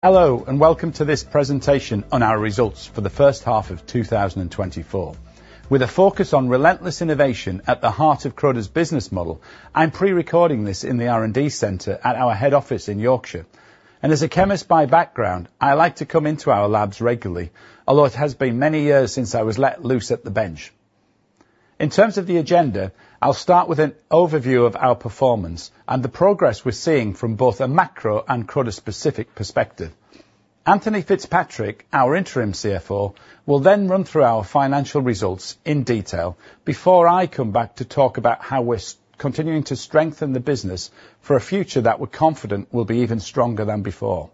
Hello, and welcome to this presentation on our results for the first half of 2024. With a focus on relentless innovation at the heart of Croda's business model, I'm pre-recording this in the R&D center at our head office in Yorkshire. As a chemist by background, I like to come into our labs regularly, although it has been many years since I was let loose at the bench. In terms of the agenda, I'll start with an overview of our performance and the progress we're seeing from both a macro and Croda-specific perspective. Anthony Fitzpatrick, our Interim CFO, will then run through our financial results in detail before I come back to talk about how we're continuing to strengthen the business for a future that we're confident will be even stronger than before.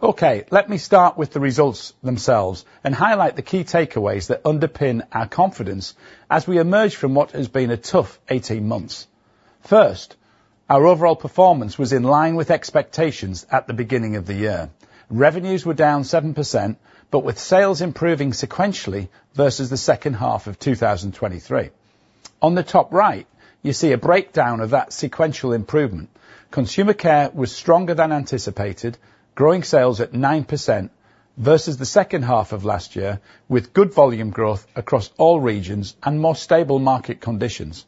Okay, let me start with the results themselves and highlight the key takeaways that underpin our confidence as we emerge from what has been a tough 18 months. First, our overall performance was in line with expectations at the beginning of the year. Revenues were down 7%, but with sales improving sequentially versus the second half of 2023. On the top right, you see a breakdown of that sequential improvement. Consumer Care was stronger than anticipated, growing sales at 9% versus the second half of last year, with good volume growth across all regions and more stable market conditions.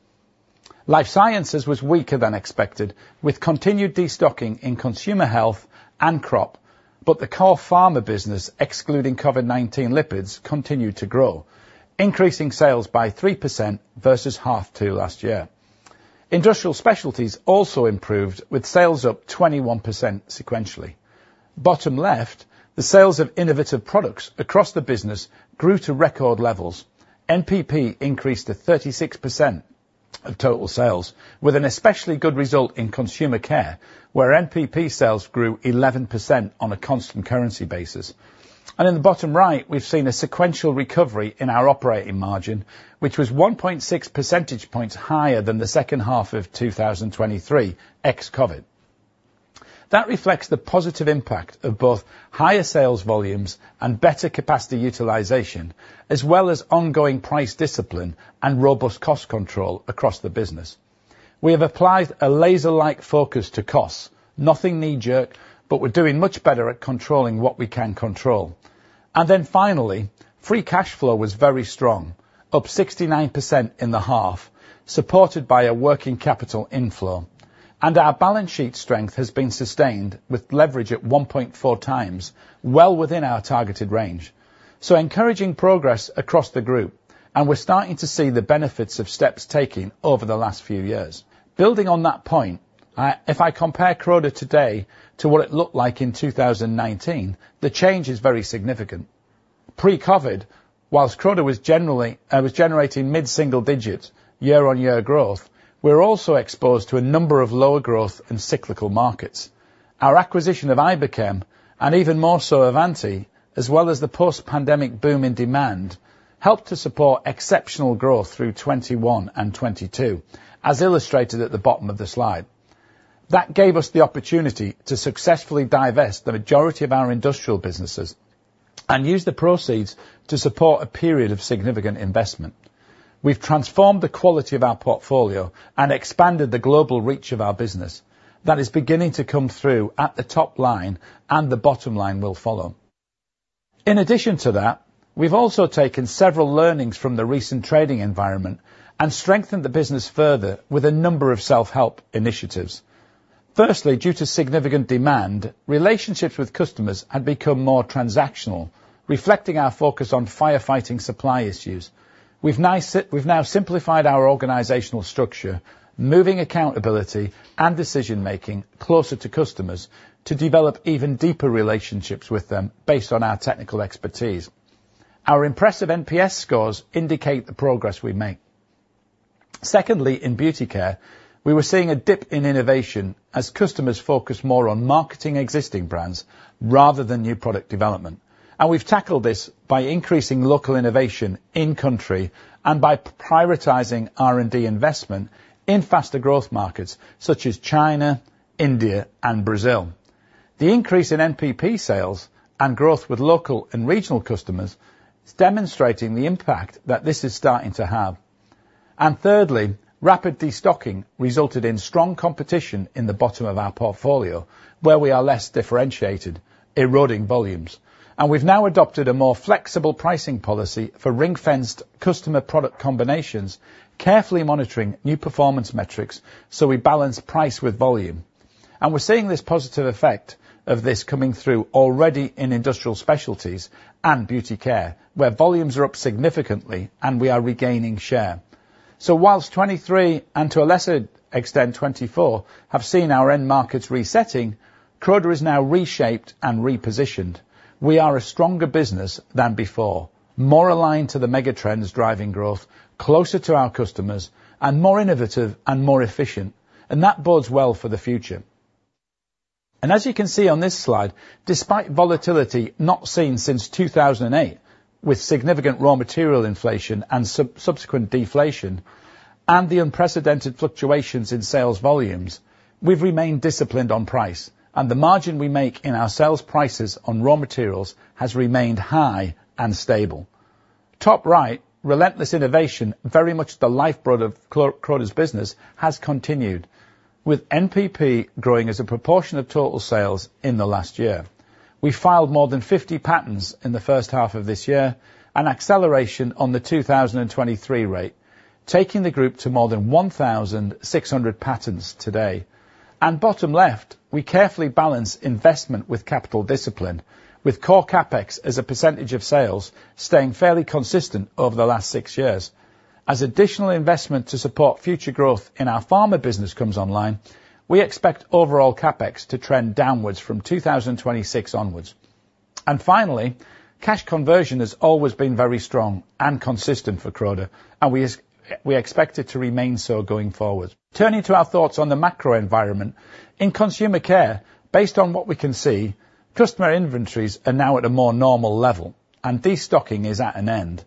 Life Sciences was weaker than expected, with continued destocking in consumer health and crop, but the core pharma business, excluding COVID-19 lipids, continued to grow, increasing sales by 3% versus H2 of last year. Industrial Specialties also improved, with sales up 21% sequentially. Bottom left, the sales of innovative products across the business grew to record levels. NPP increased to 36% of total sales, with an especially good result in Consumer Care, where NPP sales grew 11% on a constant currency basis. In the bottom right, we've seen a sequential recovery in our operating margin, which was 1.6 percentage points higher than the second half of 2023 ex-COVID. That reflects the positive impact of both higher sales volumes and better capacity utilization, as well as ongoing price discipline and robust cost control across the business. We have applied a laser-like focus to costs, nothing knee-jerk, but we're doing much better at controlling what we can control. Then finally, free cash flow was very strong, up 69% in the half, supported by a working capital inflow. Our balance sheet strength has been sustained with leverage at 1.4 times, well within our targeted range. Encouraging progress across the group, and we're starting to see the benefits of steps taken over the last few years. Building on that point, if I compare Croda today to what it looked like in 2019, the change is very significant. Pre-COVID, while Croda was generating mid-single-digit year-on-year growth, we're also exposed to a number of lower growth and cyclical markets. Our acquisition of Iberchem, and even more so of Avanti, as well as the post-pandemic boom in demand, helped to support exceptional growth through 2021 and 2022, as illustrated at the bottom of the slide. That gave us the opportunity to successfully divest the majority of our industrial businesses and use the proceeds to support a period of significant investment. We've transformed the quality of our portfolio and expanded the global reach of our business. That is beginning to come through at the top line, and the bottom line will follow. In addition to that, we've also taken several learnings from the recent trading environment and strengthened the business further with a number of self-help initiatives. Firstly, due to significant demand, relationships with customers had become more transactional, reflecting our focus on firefighting supply issues. We've now simplified our organizational structure, moving accountability and decision-making closer to customers to develop even deeper relationships with them based on our technical expertise. Our impressive NPS scores indicate the progress we make. Secondly, in Beauty Care, we were seeing a dip in innovation as customers focused more on marketing existing brands rather than new product development. We've tackled this by increasing local innovation in-country and by prioritizing R&D investment in faster growth markets such as China, India, and Brazil. The increase in NPP sales and growth with local and regional customers is demonstrating the impact that this is starting to have. Thirdly, rapid destocking resulted in strong competition in the bottom of our portfolio, where we are less differentiated, eroding volumes. We've now adopted a more flexible pricing policy for ring-fenced customer product combinations, carefully monitoring new performance metrics so we balance price with volume. We're seeing this positive effect of this coming through already in Industrial Specialties and Beauty Care, where volumes are up significantly and we are regaining share. While 2023 and to a lesser extent 2024 have seen our end markets resetting, Croda is now reshaped and repositioned. We are a stronger business than before, more aligned to the megatrends driving growth, closer to our customers, and more innovative and more efficient. And that bodes well for the future. And as you can see on this slide, despite volatility not seen since 2008, with significant raw material inflation and subsequent deflation, and the unprecedented fluctuations in sales volumes, we've remained disciplined on price, and the margin we make in our sales prices on raw materials has remained high and stable. Top right, relentless innovation, very much the lifeblood of Croda's business, has continued, with NPP growing as a proportion of total sales in the last year. We filed more than 50 patents in the first half of this year and acceleration on the 2023 rate, taking the group to more than 1,600 patents today. Bottom left, we carefully balance investment with capital discipline, with core CapEx as a percentage of sales staying fairly consistent over the last six years. As additional investment to support future growth in our pharma business comes online, we expect overall CapEx to trend downwards from 2026 onwards. Finally, cash conversion has always been very strong and consistent for Croda, and we expect it to remain so going forward. Turning to our thoughts on the macro environment, in Consumer Care, based on what we can see, customer inventories are now at a more normal level, and destocking is at an end.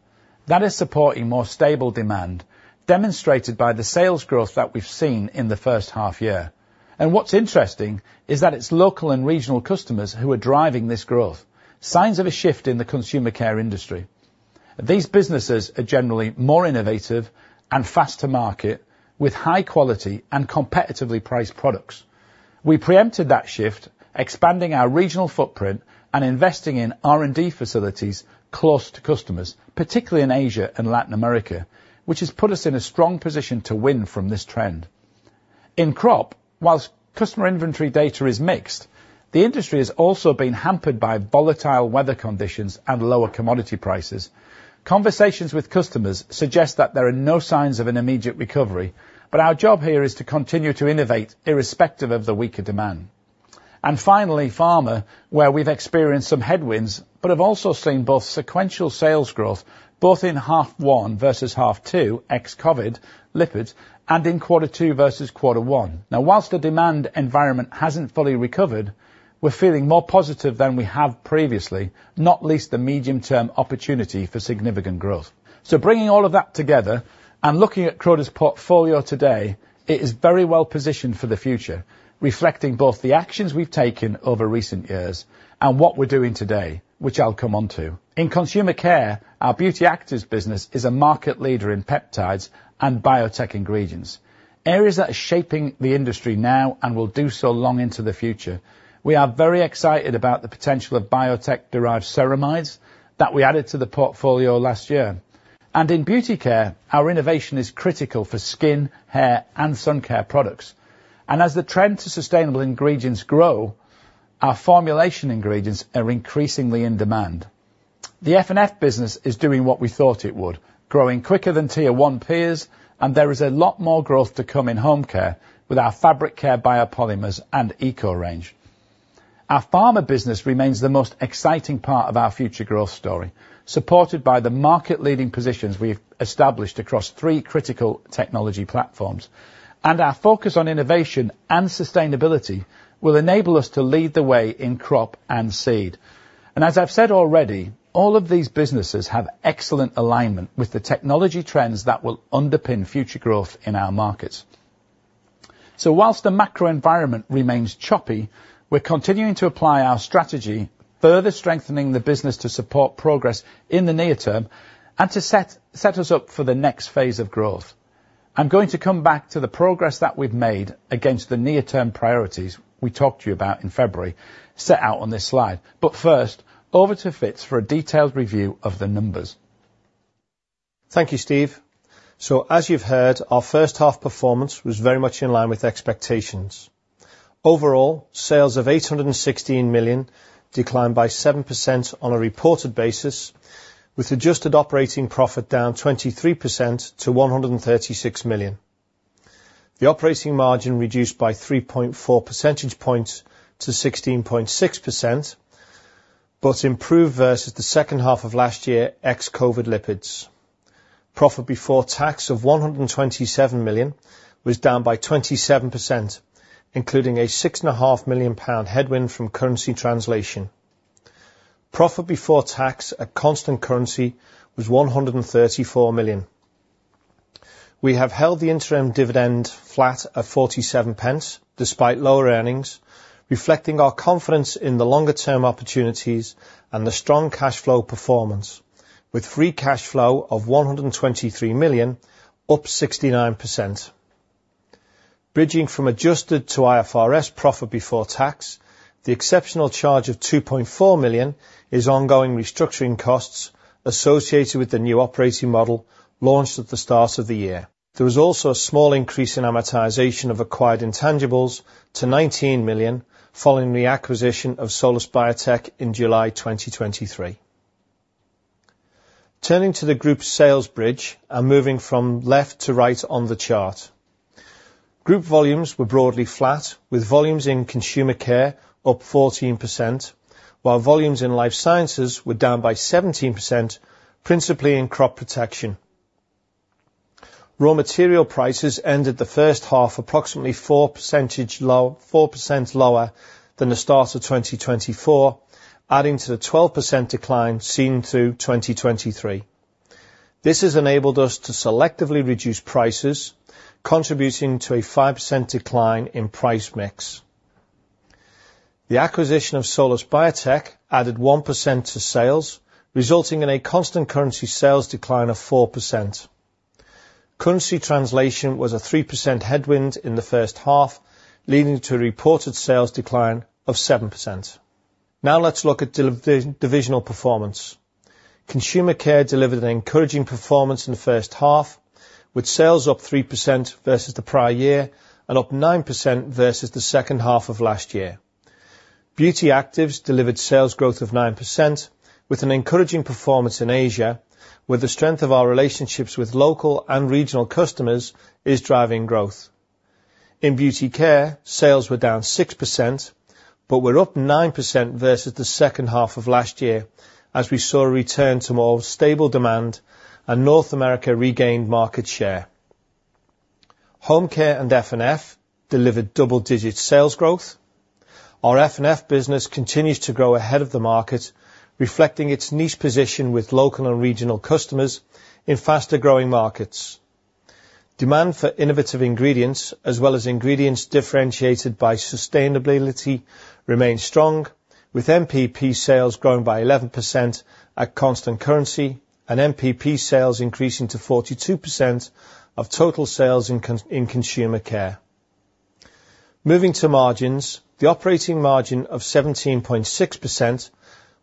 That is supporting more stable demand, demonstrated by the sales growth that we've seen in the first half year. What's interesting is that it's local and regional customers who are driving this growth, signs of a shift in the Consumer Care industry. These businesses are generally more innovative and fast to market, with high-quality and competitively priced products. We preempted that shift, expanding our regional footprint and investing in R&D facilities close to customers, particularly in Asia and Latin America, which has put us in a strong position to win from this trend. In crop, while customer inventory data is mixed, the industry has also been hampered by volatile weather conditions and lower commodity prices. Conversations with customers suggest that there are no signs of an immediate recovery, but our job here is to continue to innovate irrespective of the weaker demand. Finally, pharma, where we've experienced some headwinds but have also seen both sequential sales growth, both in half one versus half two ex-COVID, lipids, and in quarter two versus quarter one. Now, whilst the demand environment hasn't fully recovered, we're feeling more positive than we have previously, not least the medium-term opportunity for significant growth. So bringing all of that together and looking at Croda's portfolio today, it is very well positioned for the future, reflecting both the actions we've taken over recent years and what we're doing today, which I'll come on to. In Consumer Care, our Beauty Actives business is a market leader in peptides and biotech ingredients, areas that are shaping the industry now and will do so long into the future. We are very excited about the potential of biotech-derived ceramides that we added to the portfolio last year. In Beauty Care, our innovation is critical for skin, hair, and sun care products. As the trend to sustainable ingredients grow, our formulation ingredients are increasingly in demand. The F&F business is doing what we thought it would, growing quicker than Tier 1 peers, and there is a lot more growth to come in Home Care with our fabric care biopolymers and eco range. Our pharma business remains the most exciting part of our future growth story, supported by the market-leading positions we've established across three critical technology platforms. Our focus on innovation and sustainability will enable us to lead the way in crop and seed. As I've said already, all of these businesses have excellent alignment with the technology trends that will underpin future growth in our markets. Whilst the macro environment remains choppy, we're continuing to apply our strategy, further strengthening the business to support progress in the near term and to set us up for the next phase of growth. I'm going to come back to the progress that we've made against the near-term priorities we talked to you about in February set out on this slide. But first, over to Fitzpatrick for a detailed review of the numbers. Thank you, Steve. So as you've heard, our first half performance was very much in line with expectations. Overall, sales of 816 million declined by 7% on a reported basis, with adjusted operating profit down 23% to 136 million. The operating margin reduced by 3.4 percentage points to 16.6%, but improved versus the second half of last year ex-COVID lipids. Profit before tax of 127 million was down by 27%, including a 6.5 million pound headwind from currency translation. Profit before tax, a constant currency, was 134 million. We have held the interim dividend flat at 0.47 despite lower earnings, reflecting our confidence in the longer-term opportunities and the strong cash flow performance, with free cash flow of 123 million, up 69%. Bridging from adjusted to IFRS profit before tax, the exceptional charge of 2.4 million is ongoing restructuring costs associated with the new operating model launched at the start of the year. There was also a small increase in amortization of acquired intangibles to 19 million following the acquisition of Solus Biotech in July 2023. Turning to the group's sales bridge and moving from left to right on the chart. Group volumes were broadly flat, with volumes in Consumer Care up 14%, while volumes in life sciences were down by 17%, principally in crop protection. Raw material prices ended the first half approximately 4% lower than the start of 2024, adding to the 12% decline seen through 2023. This has enabled us to selectively reduce prices, contributing to a 5% decline in price mix. The acquisition of Solus Biotech added 1% to sales, resulting in a constant currency sales decline of 4%. Currency translation was a 3% headwind in the first half, leading to a reported sales decline of 7%. Now let's look at divisional performance. Consumer Care delivered an encouraging performance in the first half, with sales up 3% versus the prior year and up 9% versus the second half of last year. Beauty Actives delivered sales growth of 9%, with an encouraging performance in Asia, where the strength of our relationships with local and regional customers is driving growth. In Beauty Care, sales were down 6%, but were up 9% versus the second half of last year, as we saw a return to more stable demand and North America regained market share. Home Care and F&F delivered double-digit sales growth. Our F&F business continues to grow ahead of the market, reflecting its niche position with local and regional customers in faster-growing markets. Demand for innovative ingredients, as well as ingredients differentiated by sustainability, remains strong, with NPP sales growing by 11% at constant currency and NPP sales increasing to 42% of total sales in Consumer Care. Moving to margins, the operating margin of 17.6%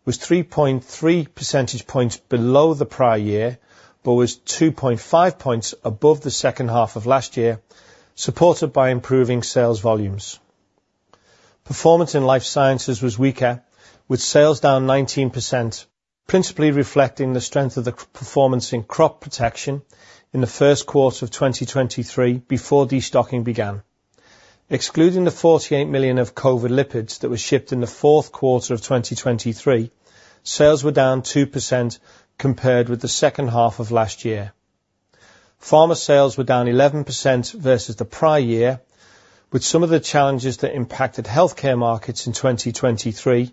was 3.3 percentage points below the prior year, but was 2.5 points above the second half of last year, supported by improving sales volumes. Performance in life sciences was weaker, with sales down 19%, principally reflecting the strength of the performance in crop protection in the first quarter of 2023 before destocking began. Excluding the 48 million of COVID lipids that were shipped in the fourth quarter of 2023, sales were down 2% compared with the second half of last year. Pharma sales were down 11% versus the prior year, with some of the challenges that impacted healthcare markets in 2023,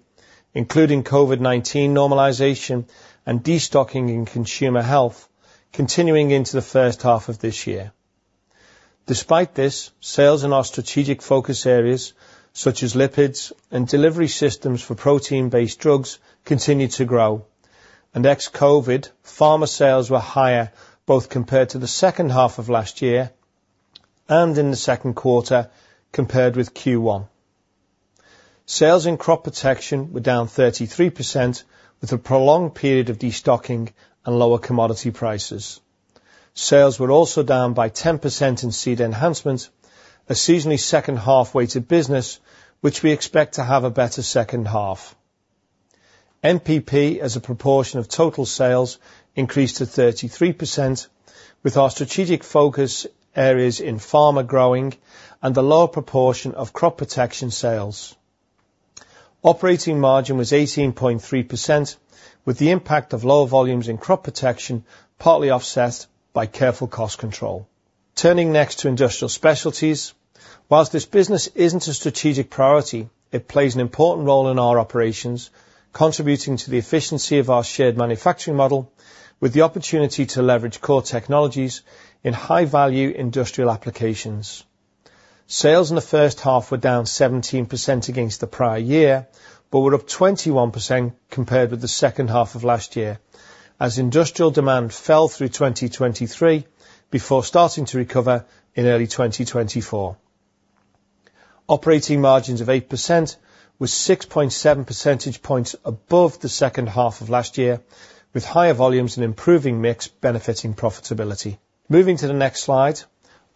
including COVID-19 normalization and destocking in consumer health, continuing into the first half of this year. Despite this, sales in our strategic focus areas, such as lipids and delivery systems for protein-based drugs, continued to grow. ex-COVID, pharma sales were higher, both compared to the second half of last year and in the second quarter compared with Q1. Sales in crop protection were down 33%, with a prolonged period of destocking and lower commodity prices. Sales were also down by 10% in seed enhancement, a seasonally second half weighted business, which we expect to have a better second half. NPP as a proportion of total sales increased to 33%, with our strategic focus areas in pharma growing and the lower proportion of crop protection sales. Operating margin was 18.3%, with the impact of lower volumes in crop protection partly offset by careful cost control. Turning next to Industrial Specialties, whilst this business isn't a strategic priority, it plays an important role in our operations, contributing to the efficiency of our shared manufacturing model, with the opportunity to leverage core technologies in high-value industrial applications. Sales in the first half were down 17% against the prior year, but were up 21% compared with the second half of last year, as industrial demand fell through 2023 before starting to recover in early 2024. Operating margins of 8% were 6.7 percentage points above the second half of last year, with higher volumes and improving mix benefiting profitability. Moving to the next slide.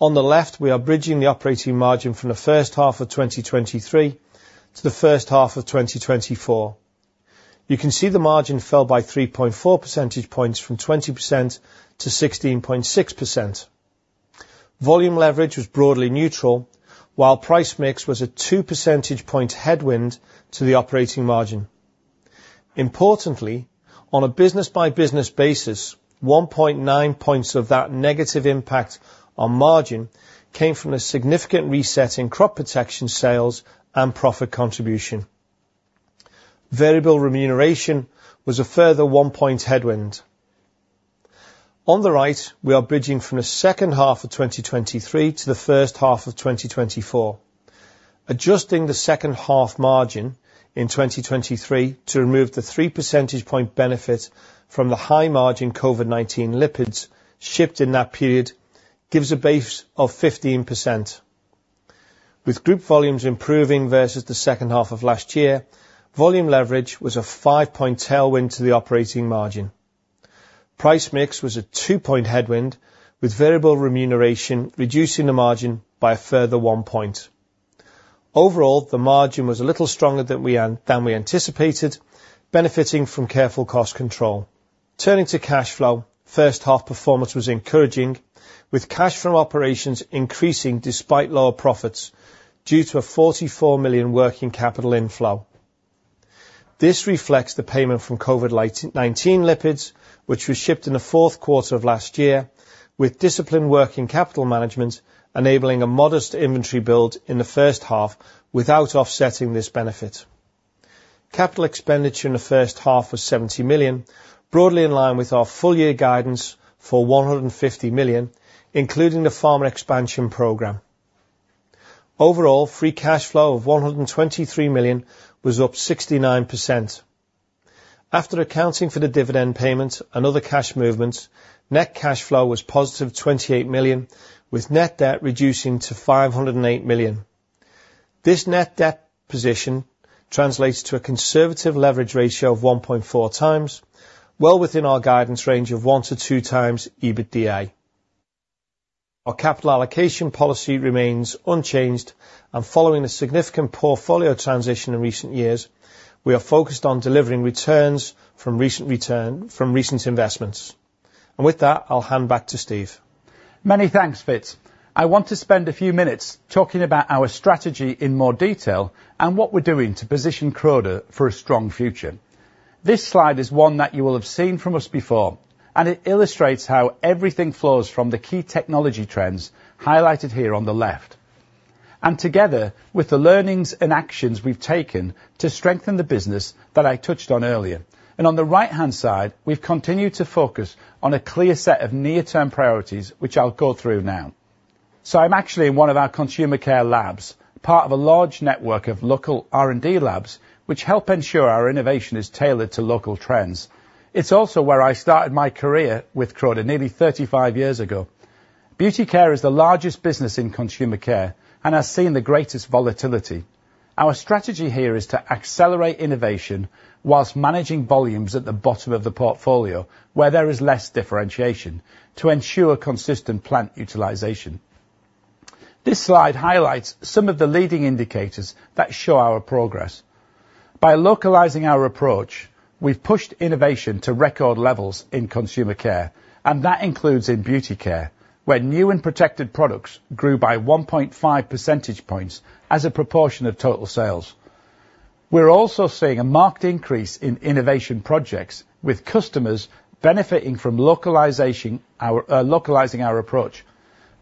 On the left, we are bridging the operating margin from the first half of 2023 to the first half of 2024. You can see the margin fell by 3.4 percentage points from 20% to 16.6%. Volume leverage was broadly neutral, while price mix was a 2 percentage point headwind to the operating margin. Importantly, on a business-by-business basis, 1.9 points of that negative impact on margin came from a significant reset in crop protection sales and profit contribution. Variable remuneration was a further 1 point headwind. On the right, we are bridging from the second half of 2023 to the first half of 2024. Adjusting the second half margin in 2023 to remove the 3 percentage point benefit from the high-margin COVID-19 lipids shipped in that period gives a base of 15%. With group volumes improving versus the second half of last year, volume leverage was a 5 point tailwind to the operating margin. Price mix was a 2-point headwind, with variable remuneration reducing the margin by a further 1 point. Overall, the margin was a little stronger than we anticipated, benefiting from careful cost control. Turning to cash flow, first half performance was encouraging, with cash flow operations increasing despite lower profits due to a 44 million working capital inflow. This reflects the payment from COVID-19 lipids, which was shipped in the fourth quarter of last year, with disciplined working capital management enabling a modest inventory build in the first half without offsetting this benefit. Capital expenditure in the first half was 70 million, broadly in line with our full year guidance for 150 million, including the pharma expansion program. Overall, free cash flow of 123 million was up 69%. After accounting for the dividend payments and other cash movements, net cash flow was positive 28 million, with net debt reducing to 508 million. This net debt position translates to a conservative leverage ratio of 1.4x, well within our guidance range of 1x-2x EBITDA. Our capital allocation policy remains unchanged, and following a significant portfolio transition in recent years, we are focused on delivering returns from recent investments. With that, I'll hand back to Steve. Many thanks, Fitz. I want to spend a few minutes talking about our strategy in more detail and what we're doing to position Croda for a strong future. This slide is one that you will have seen from us before, and it illustrates how everything flows from the key technology trends highlighted here on the left. Together with the learnings and actions we've taken to strengthen the business that I touched on earlier. On the right-hand side, we've continued to focus on a clear set of near-term priorities, which I'll go through now. I'm actually in one of our Consumer Care labs, part of a large network of local R&D labs, which help ensure our innovation is tailored to local trends. It's also where I started my career with Croda nearly 35 years ago. Beauty Care is the largest business in Consumer Care and has seen the greatest volatility. Our strategy here is to accelerate innovation while managing volumes at the bottom of the portfolio, where there is less differentiation, to ensure consistent plant utilization. This slide highlights some of the leading indicators that show our progress. By localizing our approach, we've pushed innovation to record levels in Consumer Care, and that includes in Beauty Care, where New and Protected Products grew by 1.5 percentage points as a proportion of total sales. We're also seeing a marked increase in innovation projects, with customers benefiting from localizing our approach.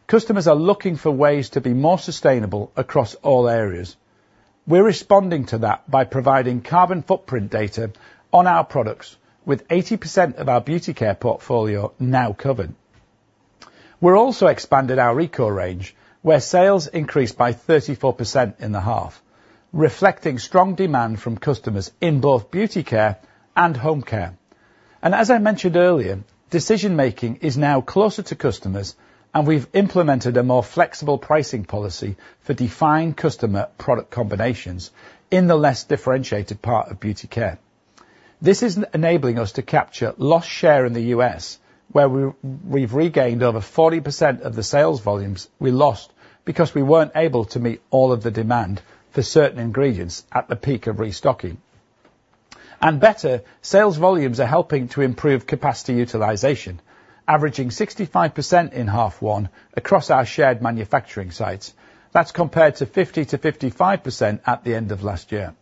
Customers are looking for ways to be more sustainable across all areas. We're responding to that by providing carbon footprint data on our products, with 80% of our Beauty Care portfolio now covered. We've also expanded our ECO range, where sales increased by 34% in the half, reflecting strong demand from customers in both Beauty Care and Home Care. As I mentioned earlier, decision-making is now closer to customers, and we've implemented a more flexible pricing policy for defined customer product combinations in the less differentiated part of Beauty Care. This is enabling us to capture lost share in the U.S., where we've regained over 40% of the sales volumes we lost because we weren't able to meet all of the demand for certain ingredients at the peak of restocking. Better, sales volumes are helping to improve capacity utilization, averaging 65% in half one across our shared manufacturing sites. That's compared to 50%-55% at the end of last year.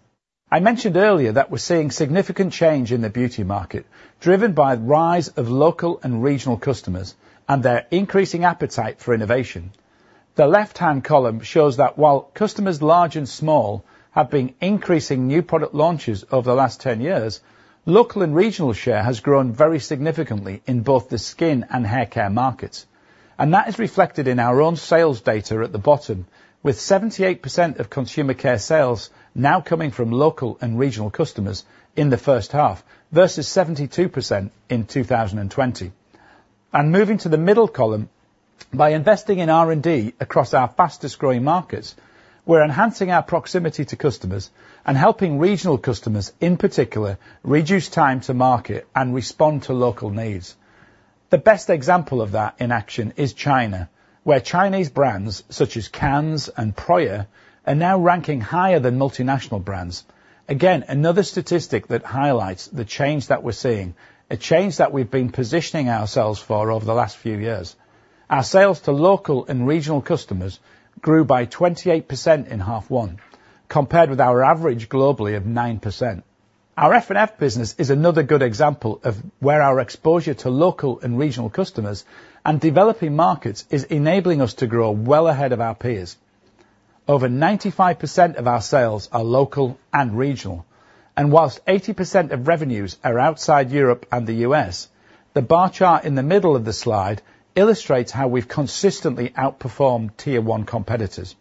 I mentioned earlier that we're seeing significant change in the beauty market, driven by the rise of local and regional customers and their increasing appetite for innovation. The left-hand column shows that while customers large and small have been increasing new product launches over the last 10 years, local and regional share has grown very significantly in both the skin and hair care markets. That is reflected in our own sales data at the bottom, with 78% of Consumer Care sales now coming from local and regional customers in the first half versus 72% in 2020. Moving to the middle column, by investing in R&D across our fastest-growing markets, we're enhancing our proximity to customers and helping regional customers, in particular, reduce time to market and respond to local needs. The best example of that in action is China, where Chinese brands such as Kans and Proya are now ranking higher than multinational brands. Again, another statistic that highlights the change that we're seeing, a change that we've been positioning ourselves for over the last few years. Our sales to local and regional customers grew by 28% in half one, compared with our average globally of 9%. Our F&F business is another good example of where our exposure to local and regional customers and developing markets is enabling us to grow well ahead of our peers. Over 95% of our sales are local and regional, and while 80% of revenues are outside Europe and the U.S., the bar chart in the middle of the slide illustrates how we've consistently outperformed Tier 1 competitors.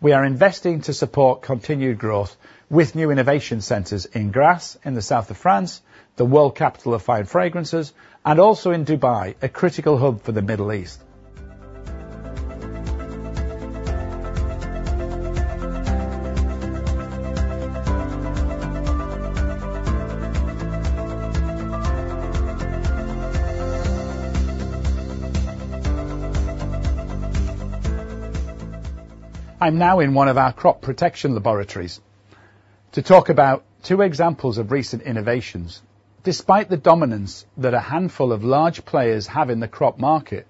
We are investing to support continued growth with new innovation centers in Grasse in the south of France, the world capital of fine fragrances, and also in Dubai, a critical hub for the Middle East. I'm now in one of our crop protection laboratories to talk about two examples of recent innovations. Despite the dominance that a handful of large players have in the crop market,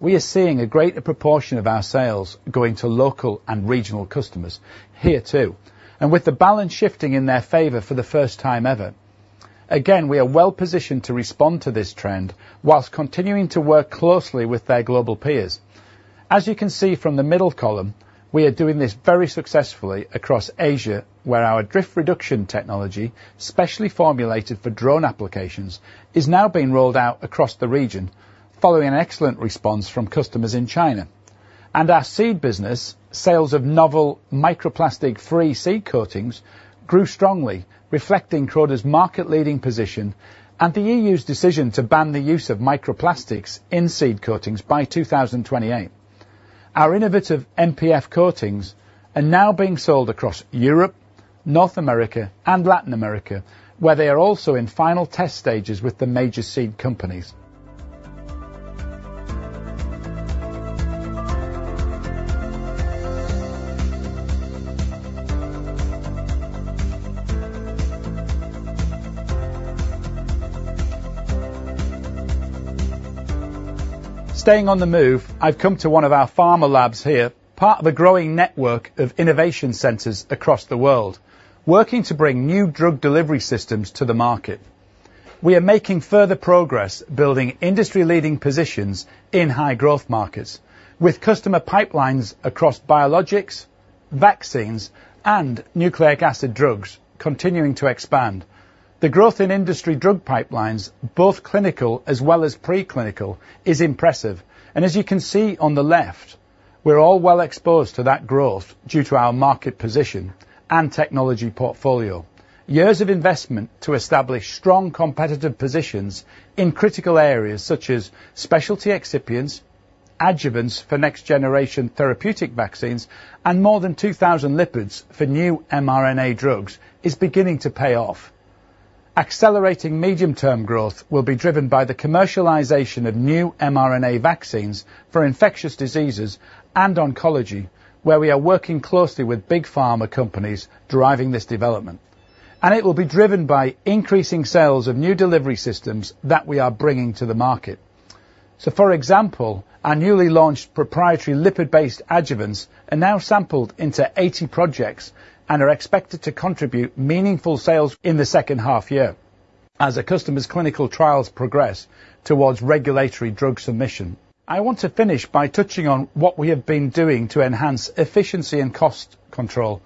we are seeing a greater proportion of our sales going to local and regional customers here too, and with the balance shifting in their favor for the first time ever. Again, we are well positioned to respond to this trend whilst continuing to work closely with their global peers. As you can see from the middle column, we are doing this very successfully across Asia, where our drift reduction technology, specially formulated for drone applications, is now being rolled out across the region, following an excellent response from customers in China. Our seed business, sales of novel microplastic-free seed coatings, grew strongly, reflecting Croda's market-leading position and the EU's decision to ban the use of microplastics in seed coatings by 2028. Our innovative MPF coatings are now being sold across Europe, North America, and Latin America, where they are also in final test stages with the major seed companies. Staying on the move, I've come to one of our pharma labs here, part of a growing network of innovation centers across the world, working to bring new drug delivery systems to the market. We are making further progress, building industry-leading positions in high-growth markets, with customer pipelines across biologics, vaccines, and nucleic acid drugs continuing to expand. The growth in industry drug pipelines, both clinical as well as preclinical, is impressive. As you can see on the left, we're all well exposed to that growth due to our market position and technology portfolio. Years of investment to establish strong competitive positions in critical areas such as specialty excipients, adjuvants for next-generation therapeutic vaccines, and more than 2,000 lipids for new mRNA drugs is beginning to pay off. Accelerating medium-term growth will be driven by the commercialization of new mRNA vaccines for infectious diseases and Oncology, where we are working closely with big pharma companies driving this development. It will be driven by increasing sales of new delivery systems that we are bringing to the market. So, for example, our newly launched proprietary lipid-based adjuvants are now sampled into 80 projects and are expected to contribute meaningful sales in the second half year as customers' clinical trials progress towards regulatory drug submission. I want to finish by touching on what we have been doing to enhance efficiency and cost control.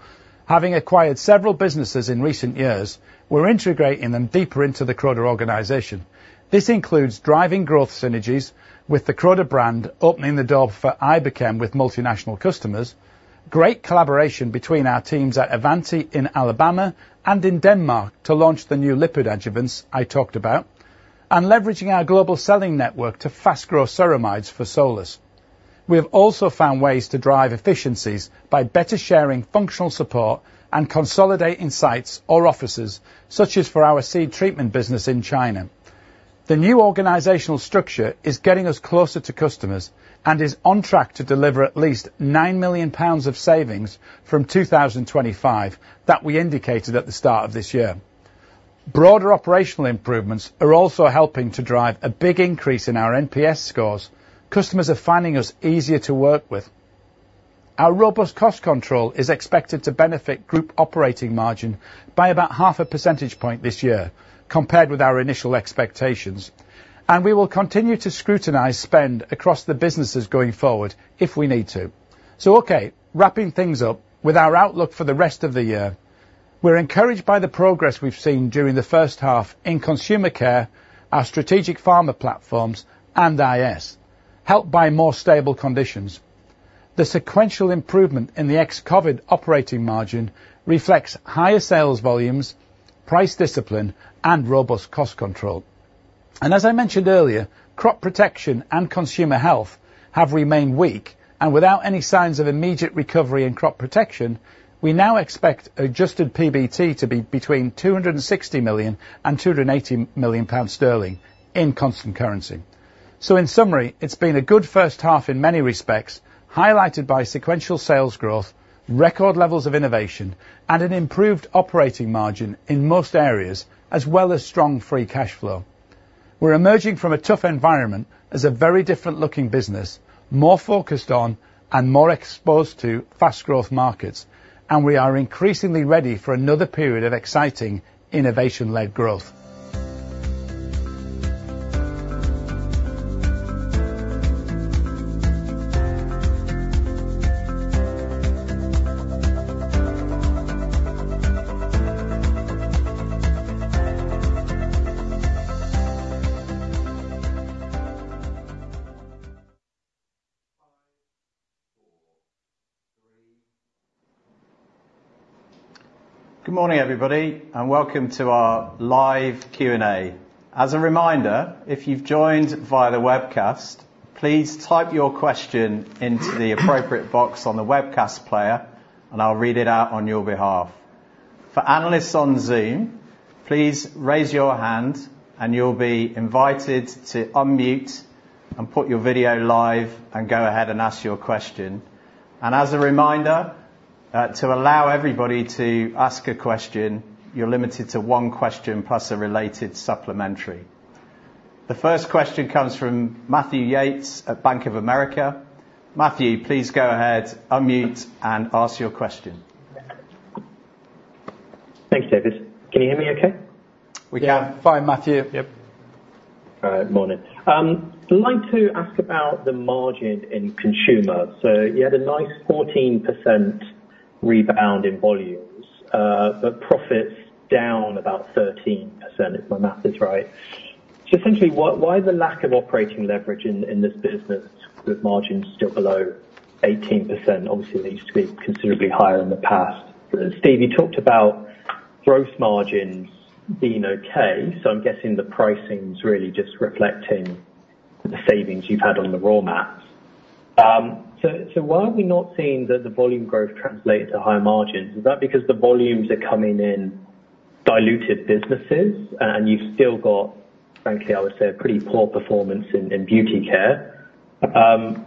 Having acquired several businesses in recent years, we're integrating them deeper into the Croda organization. This includes driving growth synergies with the Croda brand, opening the door for Iberchem with multinational customers, great collaboration between our teams at Avanti in Alabama and in Denmark to launch the new lipid adjuvants I talked about, and leveraging our global selling network to fast-grow ceramides for Solus. We have also found ways to drive efficiencies by better sharing functional support and consolidating sites or offices, such as for our Seed Treatment business in China. The new organizational structure is getting us closer to customers and is on track to deliver at least 9 million pounds of savings from 2025 that we indicated at the start of this year. Broader operational improvements are also helping to drive a big increase in our NPS scores. Customers are finding us easier to work with. Our robust cost control is expected to benefit group operating margin by about half a percentage point this year, compared with our initial expectations. We will continue to scrutinize spend across the businesses going forward if we need to. So, okay, wrapping things up with our outlook for the rest of the year, we're encouraged by the progress we've seen during the first half in Consumer Care, our strategic pharma platforms, and IS, helped by more stable conditions. The sequential improvement in the ex-COVID operating margin reflects higher sales volumes, price discipline, and robust cost control. As I mentioned earlier, crop protection and consumer health have remained weak, and without any signs of immediate recovery in crop protection, we now expect adjusted PBT to be between £260 million and £280 million in constant currency. In summary, it's been a good first half in many respects, highlighted by sequential sales growth, record levels of innovation, and an improved operating margin in most areas, as well as strong free cash flow. We're emerging from a tough environment as a very different-looking business, more focused on and more exposed to fast-growth markets, and we are increasingly ready for another period of exciting innovation-led growth. Good morning, everybody, and welcome to our live Q&A. As a reminder, if you've joined via the webcast, please type your question into the appropriate box on the webcast player, and I'll read it out on your behalf. For Analysts on Zoom, please raise your hand, and you'll be invited to unmute and put your video live and go ahead and ask your question. And as a reminder, to allow everybody to ask a question, you're limited to one question plus a related supplementary. The first question comes from Matthew Yates at Bank of America. Matthew, please go ahead, unmute, and ask your question. Thanks, David. Can you hear me okay? We can. Yeah. Fine. Matthew. Yep. Good morning. I'd like to ask about the margin in consumer. So you had a nice 14% rebound in volumes, but profits down about 13%, if my math is right. So essentially, why the lack of operating leverage in this business with margins still below 18%? Obviously, it used to be considerably higher in the past. Steve, you talked about gross margins being okay, so I'm guessing the pricing's really just reflecting the savings you've had on the raw mats. So why are we not seeing the volume growth translate into high margins? Is that because the volumes are coming in diluted businesses, and you've still got, frankly, I would say, a pretty poor performance in Beauty Care?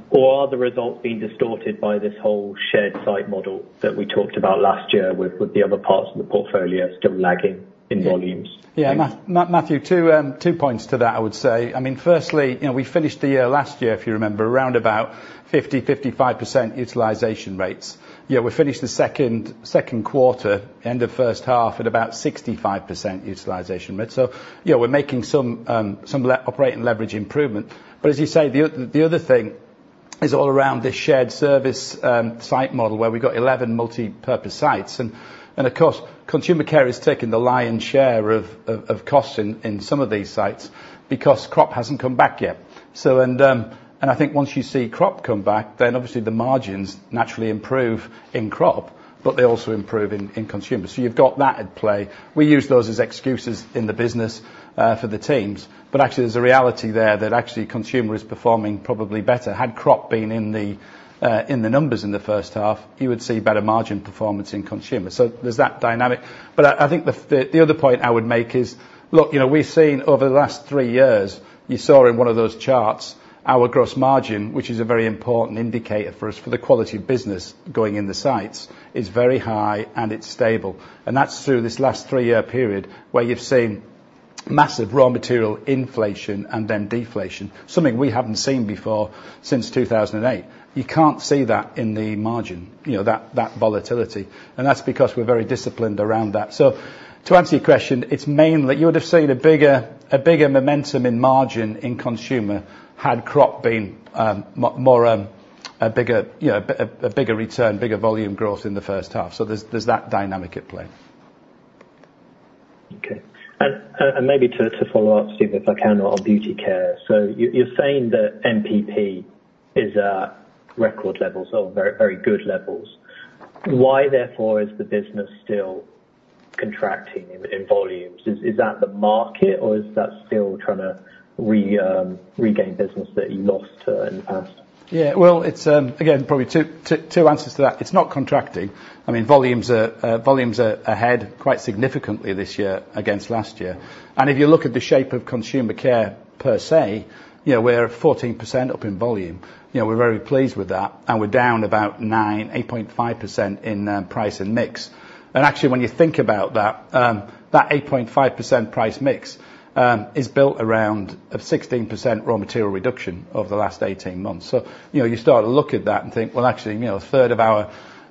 Or are the results being distorted by this whole shared site model that we talked about last year with the other parts of the portfolio still lagging in volumes? Yeah. Matthew, two points to that, I would say. I mean, firstly, we finished the year last year, if you remember, around about 50%-55% utilization rates. We finished the second quarter, end of first half, at about 65% utilization rate. So we're making some operating leverage improvement. But as you say, the other thing is all around this shared service site model where we've got 11 multipurpose sites. And of course, Consumer Care is taking the lion's share of costs in some of these sites because crop hasn't come back yet. And I think once you see crop come back, then obviously the margins naturally improve in crop, but they also improve in Consumer Care. So you've got that at play. We use those as excuses in the business for the teams. But actually, there's a reality there that actually Consumer Care is performing probably better. Had crop been in the numbers in the first half, you would see better margin performance in Consumer Care. So there's that dynamic. I think the other point I would make is, look, we've seen over the last three years, you saw in one of those charts, our gross margin, which is a very important indicator for us for the quality of business going in the sites, is very high and it's stable. That's through this last three-year period where you've seen massive raw material inflation and then deflation, something we haven't seen before since 2008. You can't see that in the margin, that volatility. That's because we're very disciplined around that. To answer your question, it's mainly you would have seen a bigger momentum in margin in consumer had crop been a bigger return, bigger volume growth in the first half. There's that dynamic at play. Okay. Maybe to follow up, Steve, if I can, on Beauty Care. So you're saying that NPP is at record levels or very good levels. Why, therefore, is the business still contracting in volumes? Is that the market, or is that still trying to regain business that you lost in the past? Yeah. Well, again, probably two answers to that. It's not contracting. I mean, volumes are ahead quite significantly this year against last year. And if you look at the shape of Consumer Care per se, we're 14% up in volume. We're very pleased with that, and we're down about 8.5% in price and mix. And actually, when you think about that, that 8.5% price mix is built around a 16% raw material reduction over the last 18 months. So you start to look at that and think, well, actually,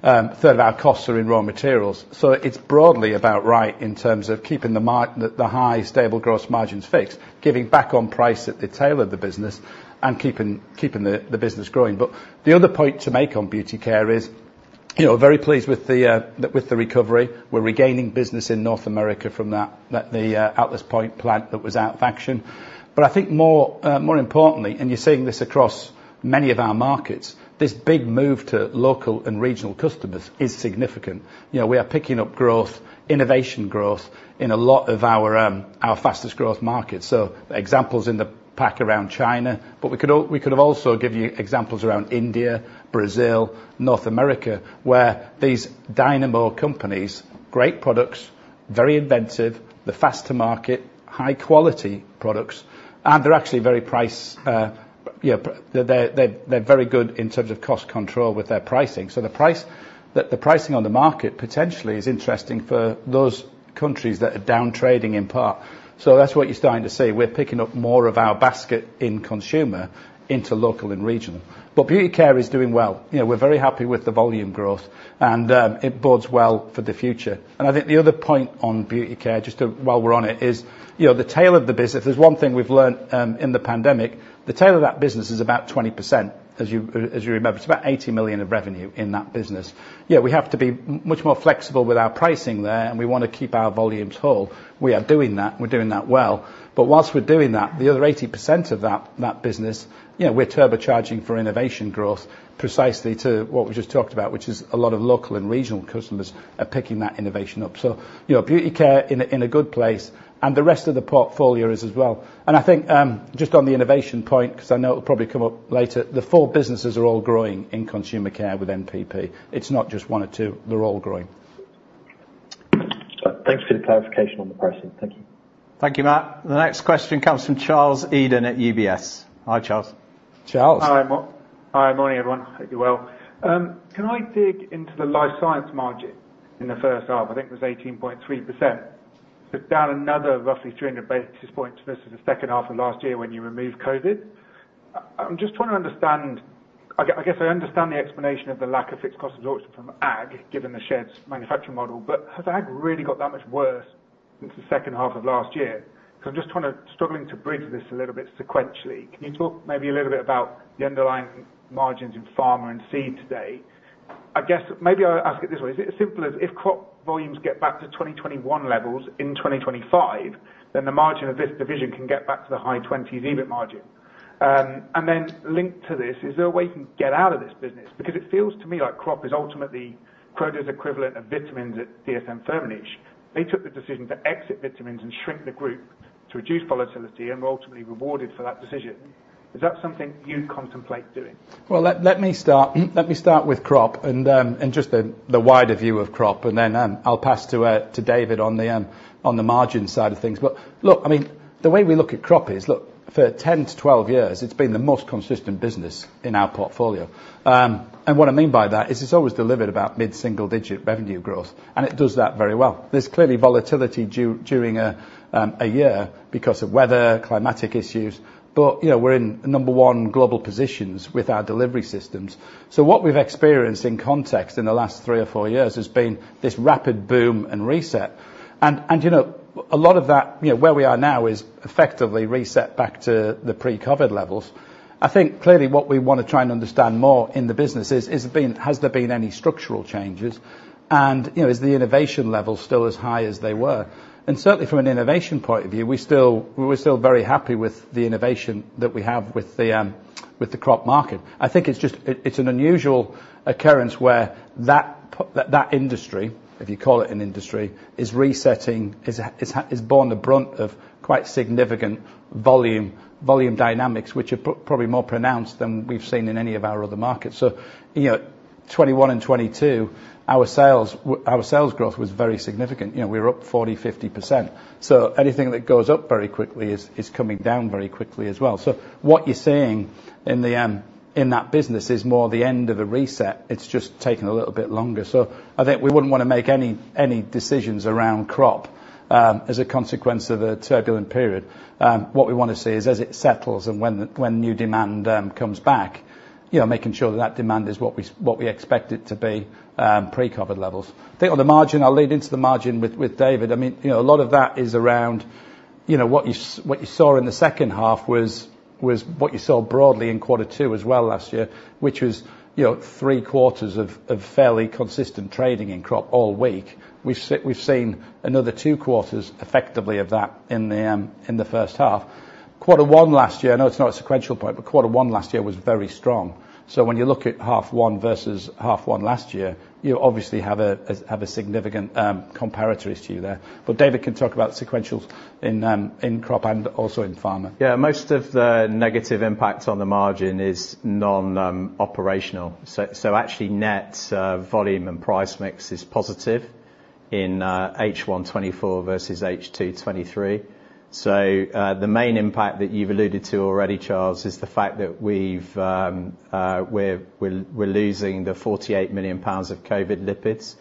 a third of our costs are in raw materials. So it's broadly about right in terms of keeping the high, stable gross margins fixed, giving back on price at the tail of the business, and keeping the business growing. But the other point to make on Beauty Care is we're very pleased with the recovery. We're regaining business in North America from the Atlas Point plant that was out of action. But I think more importantly, and you're seeing this across many of our markets, this big move to local and regional customers is significant. We are picking up growth, innovation growth in a lot of our fastest-growth markets. So examples in the pack around China, but we could have also given you examples around India, Brazil, North America, where these dynamo companies, great products, very inventive, the faster market, high-quality products, and they're actually very price they're very good in terms of cost control with their pricing. So the pricing on the market potentially is interesting for those countries that are downtrading in part. So that's what you're starting to see. We're picking up more of our basket in Consumer Care into local and regional. But Beauty Care is doing well. We're very happy with the volume growth, and it bodes well for the future. And I think the other point on Beauty Care, just while we're on it, is the tail of the business. There's one thing we've learned in the pandemic. The tail of that business is about 20%, as you remember. It's about 80 million of revenue in that business. We have to be much more flexible with our pricing there, and we want to keep our volumes whole. We are doing that, and we're doing that well. But while we're doing that, the other 80% of that business, we're turbocharging for innovation growth precisely to what we just talked about, which is a lot of local and regional customers are picking that innovation up. So Beauty Care in a good place, and the rest of the portfolio is as well. And I think just on the innovation point, because I know it'll probably come up later, the four businesses are all growing in Consumer Care with MPP. It's not just one or two. They're all growing. Thanks for the clarification on the pricing. Thank you. Thank you, Matt. The next question comes from Charles Eden at UBS. Hi, Charles. Charles. Hi. Good morning, everyone. Hope you're well. Can I dig into the Life Sciences margin in the first half? I think it was 18.3%. It's down another roughly 300 basis points versus the second half of last year when you removed COVID. I'm just trying to understand. I guess I understand the explanation of the lack of fixed cost absorption from ag, given the shared manufacturing model, but has ag really got that much worse since the second half of last year? Because I'm just struggling to bridge this a little bit sequentially. Can you talk maybe a little bit about the underlying margins in pharma and seed today? I guess maybe I'll ask it this way. Is it as simple as if crop volumes get back to 2021 levels in 2025, then the margin of this division can get back to the high 20s even margin? And then linked to this, is there a way you can get out of this business? Because it feels to me like crop is ultimately Croda's equivalent of vitamins at DSM-Firmenich. They took the decision to exit vitamins and shrink the group to reduce volatility and were ultimately rewarded for that decision. Is that something you contemplate doing? Well, let me start with crop and just the wider view of crop, and then I'll pass to David on the margin side of things. But look, I mean, the way we look at crop is, look, for 10-12 years, it's been the most consistent business in our portfolio. And what I mean by that is it's always delivered about mid-single-digit revenue growth, and it does that very well. There's clearly volatility during a year because of weather, climatic issues, but we're in number one global positions with our delivery systems. So what we've experienced in context in the last three or four years has been this rapid boom and reset. A lot of that, where we are now, is effectively reset back to the pre-COVID levels. I think clearly what we want to try and understand more in the business is, has there been any structural changes, and is the innovation level still as high as they were? And certainly, from an innovation point of view, we're still very happy with the innovation that we have with the crop market. I think it's an unusual occurrence where that industry, if you call it an industry, is resetting, is borne out of quite significant volume dynamics, which are probably more pronounced than we've seen in any of our other markets. So 2021 and 2022, our sales growth was very significant. We were up 40%-50%. So anything that goes up very quickly is coming down very quickly as well. So what you're seeing in that business is more the end of a reset. It's just taken a little bit longer. So I think we wouldn't want to make any decisions around crop as a consequence of a turbulent period. What we want to see is, as it settles and when new demand comes back, making sure that that demand is what we expect it to be, pre-COVID levels. I think on the margin, I'll lead into the margin with David. I mean, a lot of that is around what you saw in the second half was what you saw broadly in quarter two as well last year, which was three quarters of fairly consistent trading in crop all week. We've seen another two quarters effectively of that in the first half. Quarter one last year, I know it's not a sequential point, but quarter one last year was very strong. So when you look at half one versus half one last year, you obviously have significant comparators to you there. But David can talk about sequentials in crop and also in pharma. Yeah. Most of the negative impact on the margin is non-operational. So actually, net volume and price mix is positive in H124 versus H223. So the main impact that you've alluded to already, Charles, is the fact that we're losing the 48 million pounds of COVID lipids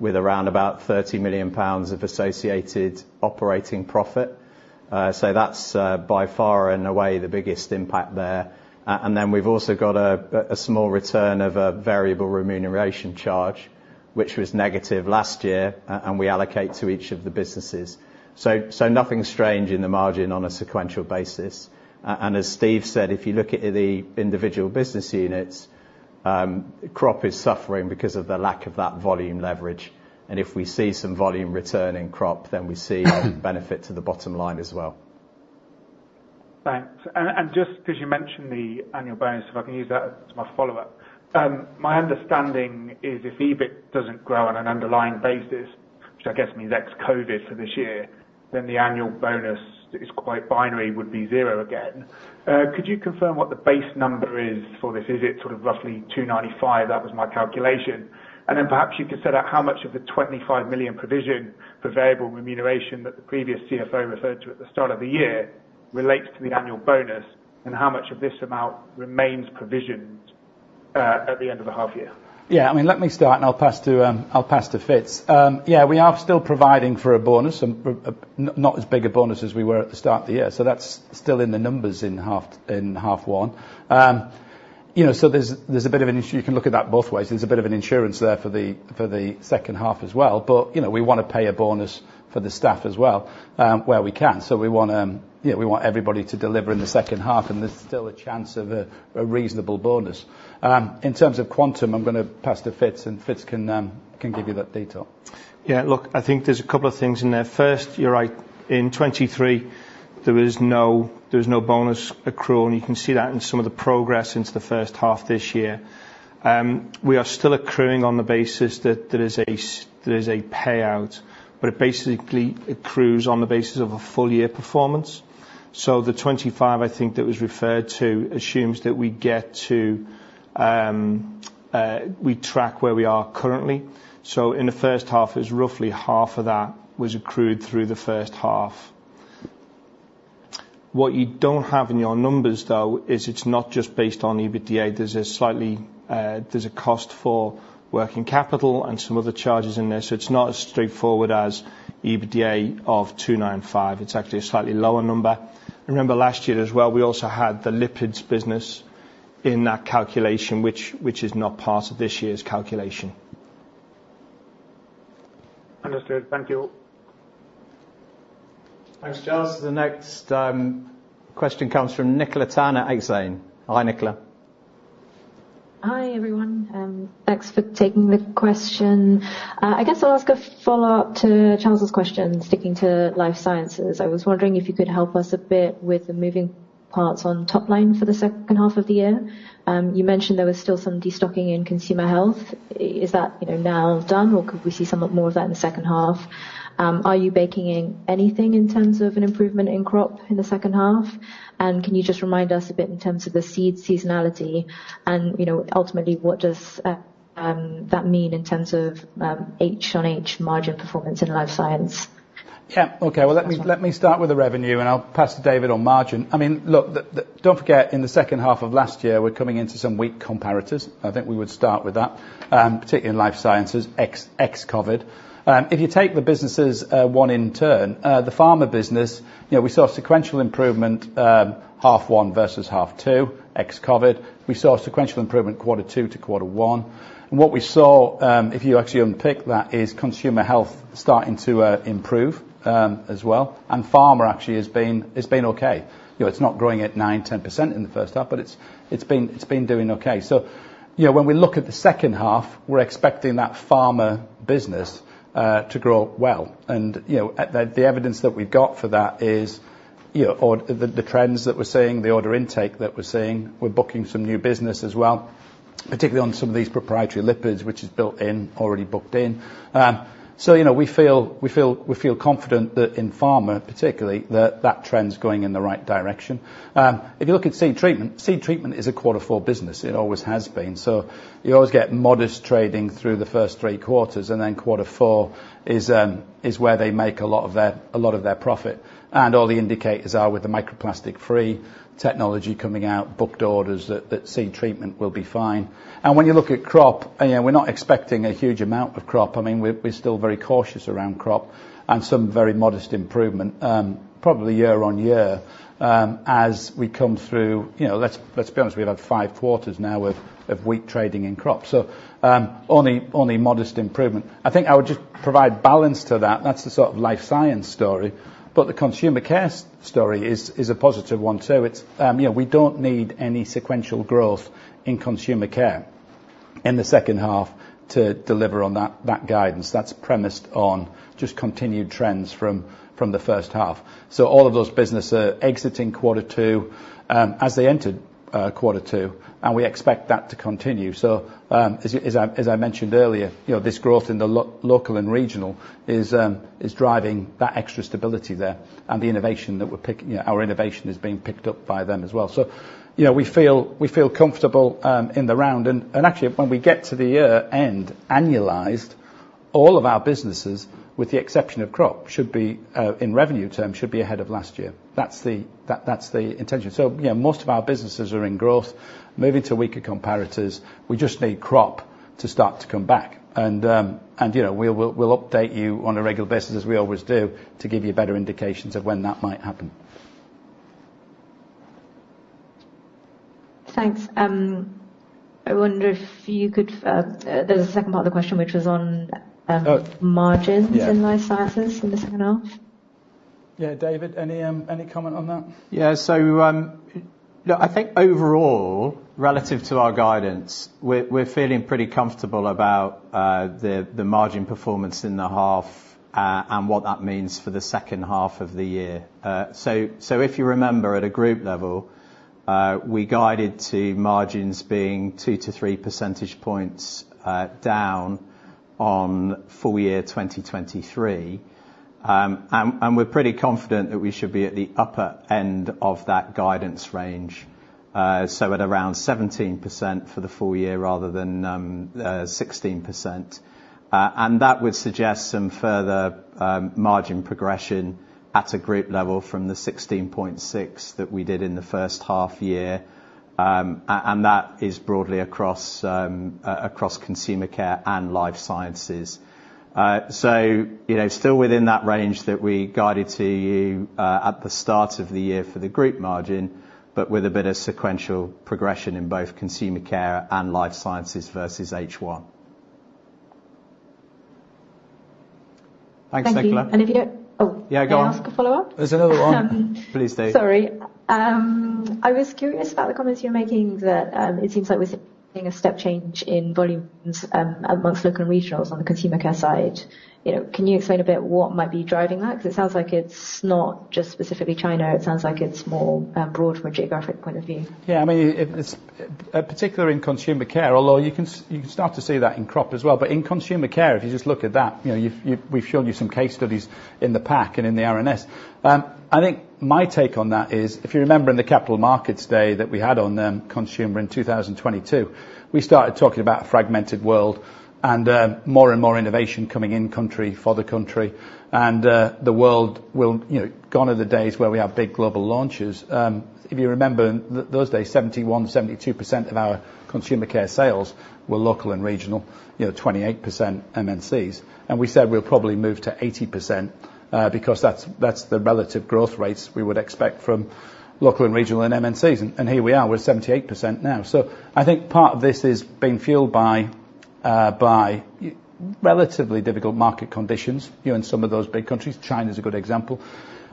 with around about 30 million pounds of associated operating profit. So that's by far, in a way, the biggest impact there. And then we've also got a small return of a variable remuneration charge, which was negative last year, and we allocate to each of the businesses. So nothing strange in the margin on a sequential basis. And as Steve said, if you look at the individual business units, crop is suffering because of the lack of that volume leverage. And if we see some volume return in crop, then we see a benefit to the bottom line as well. Thanks. And just because you mentioned the annual bonus, if I can use that as my follow-up, my understanding is if EBIT doesn't grow on an underlying basis, which I guess means ex-COVID for this year, then the annual bonus is quite binary, would be zero again. Could you confirm what the base number is for this? Is it sort of roughly 295? That was my calculation. And then perhaps you could set out how much of the 25 million provision for variable remuneration that the previous CFO referred to at the start of the year relates to the annual bonus and how much of this amount remains provisioned at the end of the half year? Yeah. I mean, let me start, and I'll pass to Fitz. Yeah, we are still providing for a bonus, not as big a bonus as we were at the start of the year. So that's still in the numbers in half one. So there's a bit of an you can look at that both ways. There's a bit of an insurance there for the second half as well. But we want to pay a bonus for the staff as well where we can. So we want everybody to deliver in the second half, and there's still a chance of a reasonable bonus. In terms of quantum, I'm going to pass to Fitz, and Fitz can give you that detail. Yeah. Look, I think there's a couple of things in there. First, you're right. In 2023, there was no bonus accrual, and you can see that in some of the progress into the first half this year. We are still accruing on the basis that there is a payout, but it basically accrues on the basis of a full year performance. So the 25 I think that was referred to assumes that we get to we track where we are currently. So in the first half, it was roughly half of that was accrued through the first half. What you don't have in your numbers, though, is it's not just based on EBITDA. There's a cost for working capital and some other charges in there. So it's not as straightforward as EBITDA of 295 million. It's actually a slightly lower number. Remember, last year as well, we also had the lipids business in that calculation, which is not part of this year's calculation. Understood. Thank you. Thanks, Charles. The next question comes from Nicola Tang at Exane. Hi, Nicola. Hi, everyone. Thanks for taking the question. I guess I'll ask a follow-up to Charles's question sticking to Life Sciences. I was wondering if you could help us a bit with the moving parts on top line for the second half of the year. You mentioned there was still some destocking in consumer health. Is that now done, or could we see some more of that in the second half? Are you baking in anything in terms of an improvement in crop in the second half? And can you just remind us a bit in terms of the seed seasonality? And ultimately, what does that mean in terms of H on H margin performance in Life Sciences? Yeah. Okay. Well, let me start with the revenue, and I'll pass to David on margin. I mean, look, don't forget, in the second half of last year, we're coming into some weak comparators. I think we would start with that, particularly in Life Sciences, ex-COVID. If you take the businesses one in turn, the pharma business, we saw sequential improvement half one versus half two, ex-COVID. We saw sequential improvement quarter two to quarter one. And what we saw, if you actually unpick that, is consumer health starting to improve as well. And pharma actually has been okay. It's not growing at 9%-10% in the first half, but it's been doing okay. So when we look at the second half, we're expecting that pharma business to grow well. And the evidence that we've got for that is the trends that we're seeing, the order intake that we're seeing. We're booking some new business as well, particularly on some of these proprietary lipids, which is built in, already booked in. So we feel confident that in pharma, particularly, that that trend's going in the right direction. If you look at Seed Treatment, Seed Treatment is a quarter four business. It always has been. So you always get modest trading through the first three quarters, and then quarter four is where they make a lot of their profit. And all the indicators are with the microplastic-free technology coming out, booked orders that Seed Treatment will be fine. When you look at crop, we're not expecting a huge amount of crop. I mean, we're still very cautious around crop and some very modest improvement, probably year-on-year as we come through. Let's be honest, we've had five quarters now of weak trading in crop. So only modest improvement. I think I would just provide balance to that. That's the sort of Life Sciences story. But the Consumer Care story is a positive one too. We don't need any sequential growth in Consumer Care in the second half to deliver on that guidance. That's premised on just continued trends from the first half. So all of those businesses are exiting quarter two as they entered quarter two, and we expect that to continue. So as I mentioned earlier, this growth in the local and regional is driving that extra stability there and the innovation that we're picking our innovation is being picked up by them as well. So we feel comfortable in the round. And actually, when we get to the year end, annualized, all of our businesses, with the exception of crop, should be in revenue terms should be ahead of last year. That's the intention. So most of our businesses are in growth, moving to weaker comparators. We just need crop to start to come back. And we'll update you on a regular basis, as we always do, to give you better indications of when that might happen. Thanks. I wonder if you could, there's a second part of the question, which was on margins in Life Sciences in the second half. Yeah. David, any comment on that? Yeah. So I think overall, relative to our guidance, we're feeling pretty comfortable about the margin performance in the half and what that means for the second half of the year. So if you remember, at a group level, we guided to margins being two to three percentage points down on full year 2023. And we're pretty confident that we should be at the upper end of that guidance range, so at around 17% for the full year rather than 16%. And that would suggest some further margin progression at a group level from the 16.6 that we did in the first half year. And that is broadly across Consumer Care and Life Sciences. So still within that range that we guided to you at the start of the year for the group margin, but with a bit of sequential progression in both Consumer Care and Life Sciences versus H1. Thanks, Nicola. And if you don't, can I ask a follow-up? There's another one. Please do. Sorry. I was curious about the comments you're making that it seems like we're seeing a step change in volumes among local and regionals on the Consumer Care side. Can you explain a bit what might be driving that? Because it sounds like it's not just specifically China. It sounds like it's more broad from a geographic point of view. Yeah. I mean, particularly in Consumer Care, although you can start to see that in crop as well. But in Consumer Care, if you just look at that, we've shown you some case studies in the pack and in the RNS. I think my take on that is, if you remember in the Capital Markets Day that we had on Consumer Care in 2022, we started talking about a fragmented world and more and more innovation coming in country for the country. And the world will, gone are the days where we have big global launches. If you remember those days, 71%-72% of our Consumer Care sales were local and regional, 28% MNCs. And we said we'll probably move to 80% because that's the relative growth rates we would expect from local and regional and MNCs. And here we are. We're 78% now. So I think part of this is being fueled by relatively difficult market conditions in some of those big countries. China's a good example.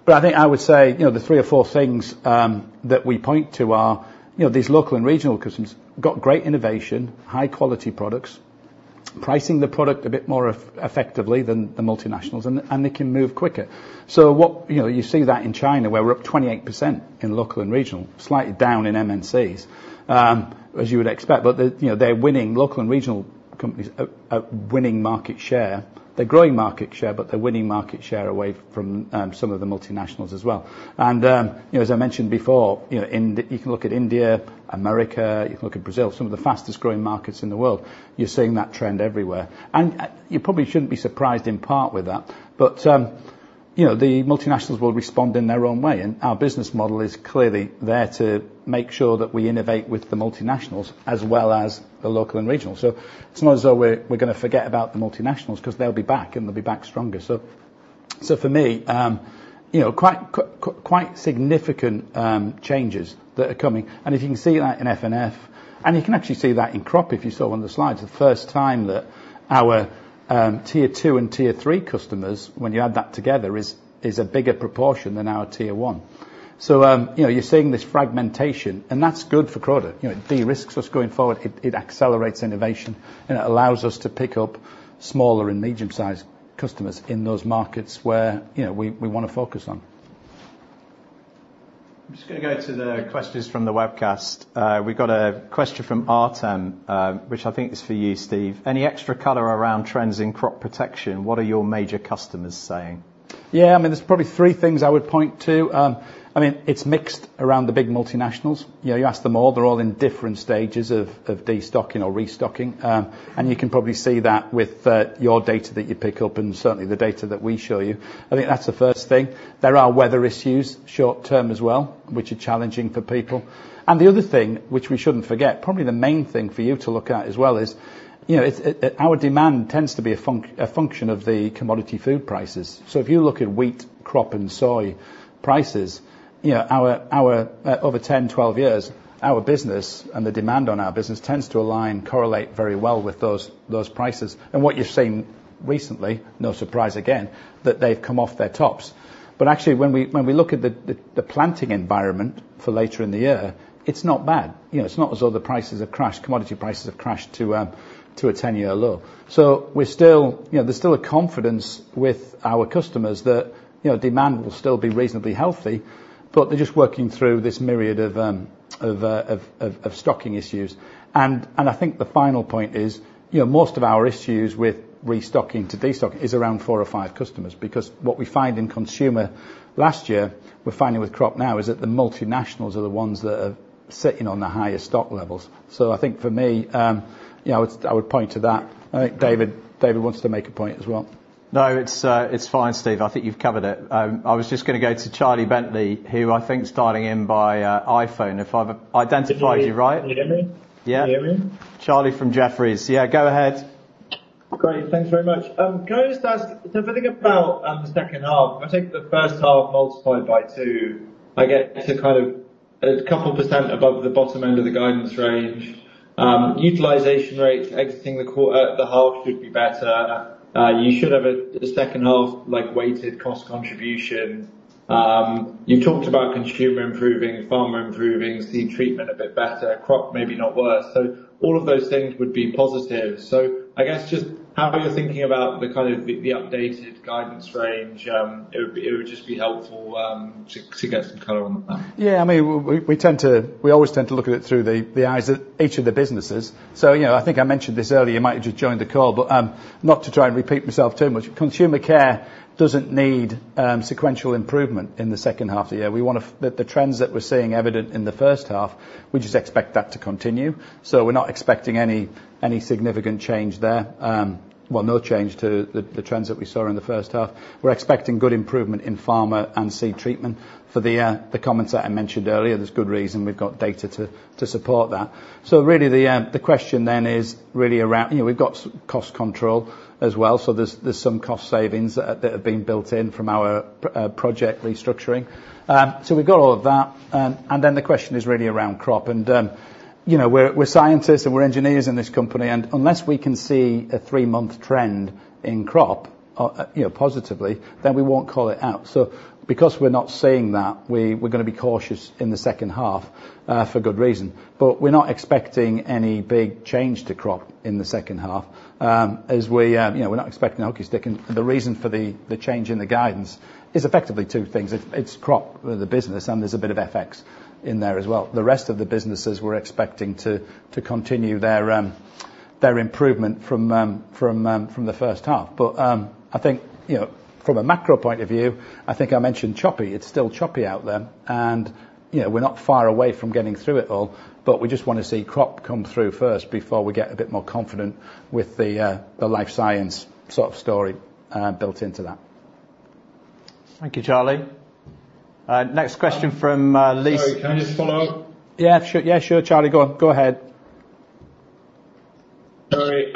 I think I would say the three or four things that we point to are these local and regional customers got great innovation, high-quality products, pricing the product a bit more effectively than the multinationals, and they can move quicker. So you see that in China where we're up 28% in local and regional, slightly down in MNCs, as you would expect. But they're winning. Local and regional companies are winning market share. They're growing market share, but they're winning market share away from some of the multinationals as well. And as I mentioned before, you can look at India, America, you can look at Brazil, some of the fastest growing markets in the world. You're seeing that trend everywhere. And you probably shouldn't be surprised in part with that. But the multinationals will respond in their own way. Our business model is clearly there to make sure that we innovate with the multinationals as well as the local and regional. It's not as though we're going to forget about the multinationals because they'll be back, and they'll be back stronger. For me, quite significant changes that are coming. If you can see that in F&F, and you can actually see that in crop if you saw one of the slides, the first time that our Tier 2 and Tier 3 customers, when you add that together, is a bigger proportion than our Tier 1. You're seeing this fragmentation, and that's good for Croda. It de-risks us going forward. It accelerates innovation, and it allows us to pick up smaller and medium-sized customers in those markets where we want to focus on. I'm just going to go to the questions from the webcast. We've got a question from Artem, which I think is for you, Steve. Any extra color around trends in crop protection? What are your major customers saying? Yeah. I mean, there's probably three things I would point to. I mean, it's mixed around the big multinationals. You ask them all. They're all in different stages of destocking or restocking. And you can probably see that with your data that you pick up and certainly the data that we show you. I think that's the first thing. There are weather issues short-term as well, which are challenging for people. And the other thing, which we shouldn't forget, probably the main thing for you to look at as well is our demand tends to be a function of the commodity food prices. So if you look at wheat, crop, and soy prices, over 10, 12 years, our business and the demand on our business tends to align, correlate very well with those prices. And what you've seen recently, no surprise again, that they've come off their tops. But actually, when we look at the planting environment for later in the year, it's not bad. It's not as though the prices have crashed, commodity prices have crashed to a 10-year low. So there's still a confidence with our customers that demand will still be reasonably healthy, but they're just working through this myriad of stocking issues. And I think the final point is most of our issues with restocking to destocking is around four or five customers. Because what we find in consumer last year, we're finding with crop now is that the multinationals are the ones that are sitting on the highest stock levels. So I think for me, I would point to that. I think David wants to make a point as well. No, it's fine, Steve. I think you've covered it. I was just going to go to Charlie Bentley, who I think's dialing in by iPhone. If I've identified you right? Can you hear me? Yeah. Can you hear me? Charlie from Jefferies. Yeah. Go ahead. Great. Thanks very much. Can I just ask? So if I think about the second half, if I take the first half multiplied by two, I get to kind of a couple % above the bottom end of the guidance range. Utilization rates exiting the half should be better. You should have a second half weighted cost contribution. You've talked about Consumer Care improving, Flavours improving, Seed Treatment a bit better, Crop Protection maybe not worse. So all of those things would be positive. So I guess just how you're thinking about the kind of updated guidance range, it would just be helpful to get some color on that. Yeah. I mean, we always tend to look at it through the eyes of each of the businesses. So I think I mentioned this earlier. You might have just joined the call, but not to try and repeat myself too much. Consumer Care doesn't need sequential improvement in the second half of the year. The trends that we're seeing evident in the first half, we just expect that to continue. So we're not expecting any significant change there. Well, no change to the trends that we saw in the first half. We're expecting good improvement in Pharma and Seed Treatment. For the comments that I mentioned earlier, there's good reason. We've got data to support that. Really, the question then is really around we've got cost control as well. So there's some cost savings that have been built in from our project restructuring. We've got all of that. Then the question is really around crop. We're scientists and engineers in this company. Unless we can see a three-month trend in crop positively, then we won't call it out. Because we're not seeing that, we're going to be cautious in the second half for good reason. But we're not expecting any big change to crop in the second half as we're not expecting the hockey stick. The reason for the change in the guidance is effectively two things. It's crop, the business, and there's a bit of FX in there as well. The rest of the businesses, we're expecting to continue their improvement from the first half. But I think from a macro point of view, I think I mentioned choppy. It's still choppy out there. And we're not far away from getting through it all, but we just want to see crop come through first before we get a bit more confident with the Life Sciences sort of story built into that. Thank you, Charlie. Next question from Lisa. Sorry. Can I just follow up? Yeah. Sure. Yeah. Sure, Charlie. Go ahead. Sorry.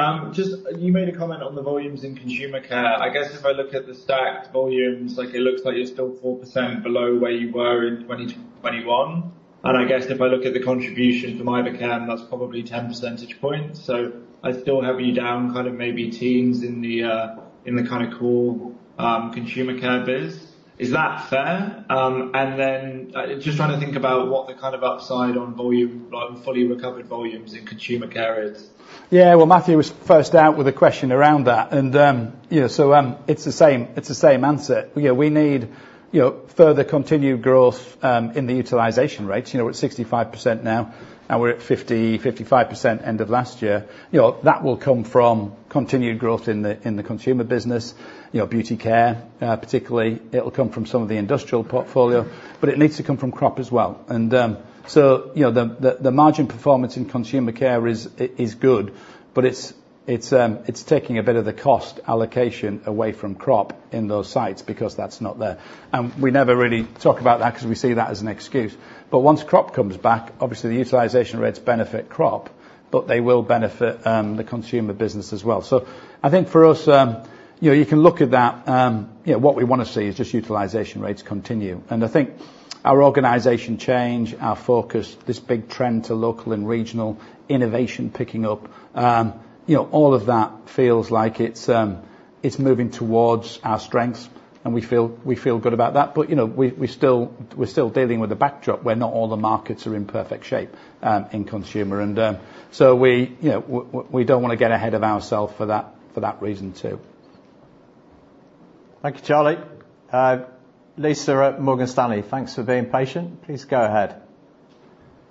You made a comment on the volumes in Consumer Care. I guess if I look at the stacked volumes, it looks like you're still 4% below where you were in 2021. And I guess if I look at the contribution from Iberchem, that's probably 10 percentage points. So I'd still have you down kind of maybe teens in the kind of core Consumer Care biz. Is that fair? And then just trying to think about what the kind of upside on volume, fully recovered volumes in Consumer Care is. Yeah. Well, Matthew was first out with a question around that. And so it's the same answer. We need further continued growth in the utilization rates. We're at 65% now, and we're at 50%-55% end of last year. That will come from continued growth in the consumer business, Beauty Care particularly. It'll come from some of the industrial portfolio, but it needs to come from crop as well. And so the margin performance in Consumer Care is good, but it's taking a bit of the cost allocation away from crop in those sites because that's not there. And we never really talk about that because we see that as an excuse. But once crop comes back, obviously, the utilization rates benefit crop, but they will benefit the consumer business as well. So I think for us, you can look at that. What we want to see is just utilization rates continue. And I think our organization change, our focus, this big trend to local and regional innovation picking up, all of that feels like it's moving towards our strengths, and we feel good about that. But we're still dealing with a backdrop where not all the markets are in perfect shape in consumer. And so we don't want to get ahead of ourselves for that reason too. Thank you, Charlie. Lisa at Morgan Stanley, thanks for being patient. Please go ahead.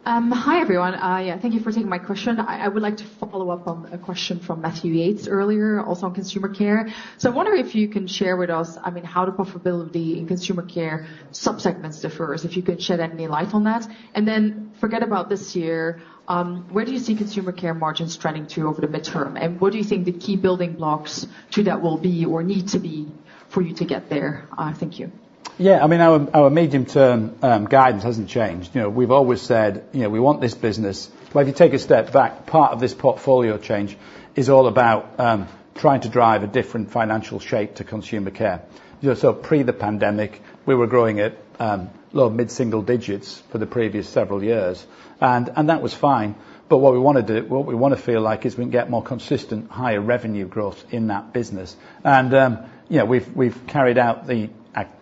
Hi everyone. Yeah. Thank you for taking my question. I would like to follow up on a question from Matthew Yates earlier, also on Consumer Care. So I wonder if you can share with us, I mean, how the profitability in Consumer Care subsegments differs. If you can shed any light on that. And then forget about this year, where do you see Consumer Care margins trending to over the mid-term? And what do you think the key building blocks to that will be or need to be for you to get there? Thank you. Yeah. I mean, our medium-term guidance hasn't changed. We've always said we want this business. Well, if you take a step back, part of this portfolio change is all about trying to drive a different financial shape to Consumer Care. So, pre the pandemic, we were growing at low mid-single digits for the previous several years. And that was fine. But what we want to do, what we want to feel like is we can get more consistent, higher revenue growth in that business. And we've carried out the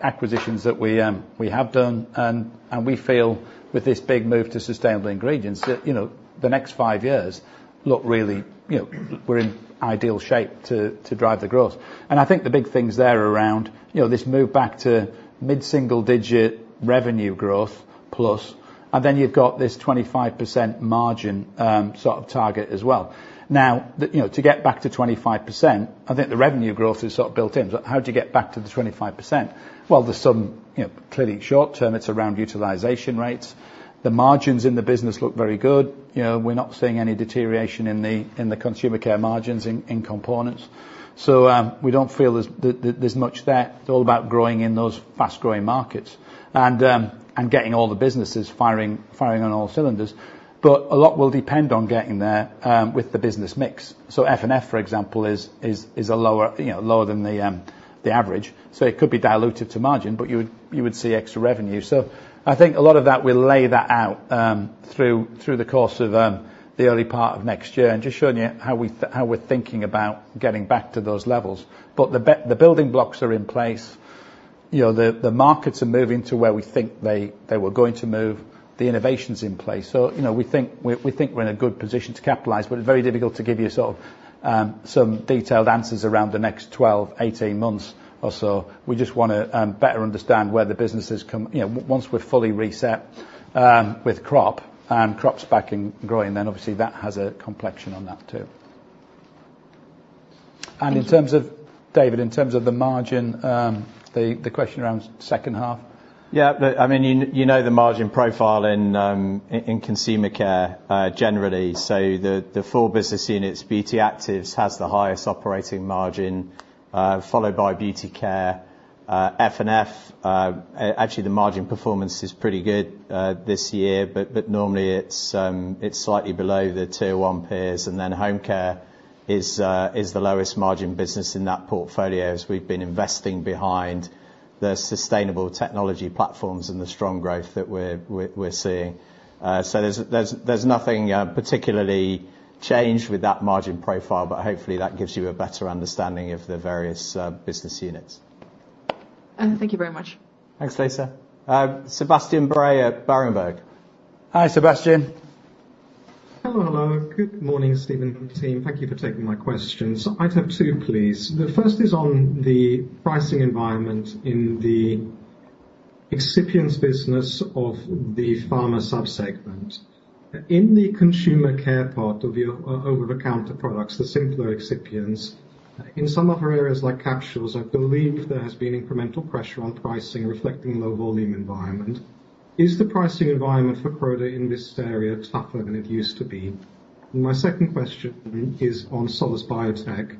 acquisitions that we have done. And we feel with this big move to sustainable ingredients, the next five years look really we're in ideal shape to drive the growth. And I think the big things there around this move back to mid-single digit revenue growth plus, and then you've got this 25% margin sort of target as well. Now, to get back to 25%, I think the revenue growth is sort of built in. How do you get back to the 25%? Well, clearly, short-term, it's around utilization rates. The margins in the business look very good. We're not seeing any deterioration in the Consumer Care margins in components. So we don't feel there's much there. It's all about growing in those fast-growing markets and getting all the businesses firing on all cylinders. But a lot will depend on getting there with the business mix. So F&F, for example, is lower than the average. So it could be diluted to margin, but you would see extra revenue. So I think a lot of that, we'll lay that out through the course of the early part of next year and just showing you how we're thinking about getting back to those levels. But the building blocks are in place. The markets are moving to where we think they were going to move. The innovation's in place. So we think we're in a good position to capitalize, but it's very difficult to give you sort of some detailed answers around the next 12, 18 months or so. We just want to better understand where the businesses come once we're fully reset with crop and crop's back and growing, then obviously that has a complexion on that too. And in terms of David, in terms of the margin, the question around second half? Yeah. I mean, you know the margin profile in Consumer Care generally. So the four business units, Beauty Actives, has the highest operating margin, followed by Beauty Care. F&F, actually, the margin performance is pretty good this year, but normally it's slightly below the Tier 1 peers. And then Home Care is the lowest margin business in that portfolio as we've been investing behind the sustainable technology platforms and the strong growth that we're seeing. So there's nothing particularly changed with that margin profile, but hopefully that gives you a better understanding of the various business units. Thank you very much. Thanks, Lisa. Sebastian Bray at Berenberg. Hi, Sebastian. Hello, hello. Good morning, Steve and team. Thank you for taking my questions. I'd have two, please. The first is on the pricing environment in the excipients business of the pharma subsegment. In the Consumer Care part of your over-the-counter products, the simpler excipients, in some other areas like capsules, I believe there has been incremental pressure on pricing reflecting low-volume environment. Is the pricing environment for Croda in this area tougher than it used to be? My second question is on Solus Biotech.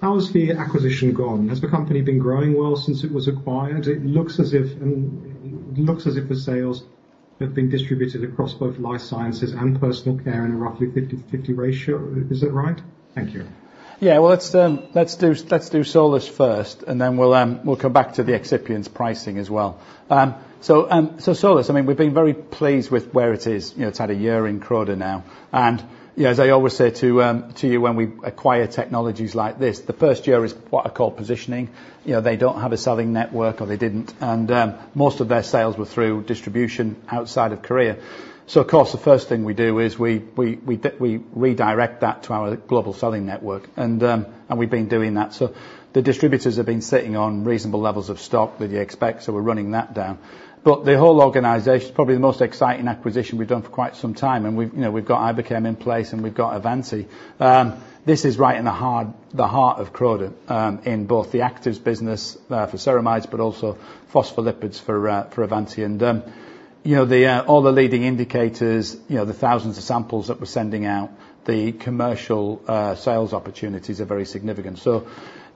How has the acquisition gone? Has the company been growing well since it was acquired? It looks as if the sales have been distributed across both Life Sciences and Personal Care in a roughly 50/50 ratio. Is that right? Thank you. Yeah. Well, let's do Solus first, and then we'll come back to the excipients pricing as well. So Solus, I mean, we've been very pleased with where it is. It's had a year in Croda now. And as I always say to you when we acquire technologies like this, the first year is what I call positioning. They don't have a selling network, or they didn't. And most of their sales were through distribution outside of Korea. So of course, the first thing we do is we redirect that to our global selling network. And we've been doing that. So the distributors have been sitting on reasonable levels of stock that you expect. So we're running that down. But the whole organization, it's probably the most exciting acquisition we've done for quite some time. We've got Iberchem in place, and we've got Avanti. This is right in the heart of Croda in both the actives business for ceramides, but also phospholipids for Avanti. And all the leading indicators, the thousands of samples that we're sending out, the commercial sales opportunities are very significant. So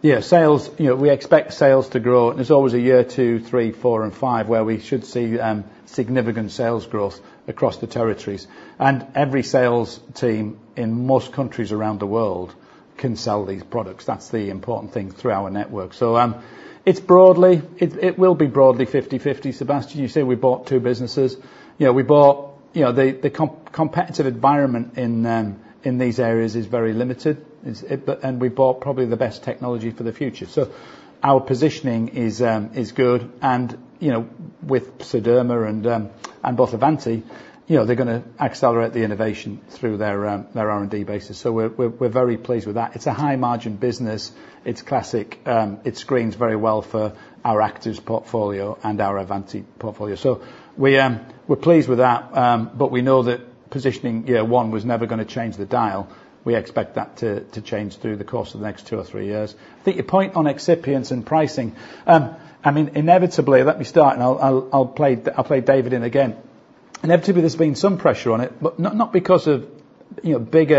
yeah, we expect sales to grow. And there's always a year, two, three, four, and five where we should see significant sales growth across the territories. And every sales team in most countries around the world can sell these products. That's the important thing through our network. So it will be broadly 50/50, Sebastian. You see, we bought two businesses. We bought the competitive environment in these areas is very limited. And we bought probably the best technology for the future. So our positioning is good. With Solus and Avanti, they're going to accelerate the innovation through their R&D base. So we're very pleased with that. It's a high-margin business. It screens very well for our actives portfolio and our Avanti portfolio. So we're pleased with that. But we know that positioning year one was never going to change the dial. We expect that to change through the course of the next two or three years. I think your point on excipients and pricing, I mean, inevitably, let me start, and I'll bring David in again. Inevitably, there's been some pressure on it, but not because of big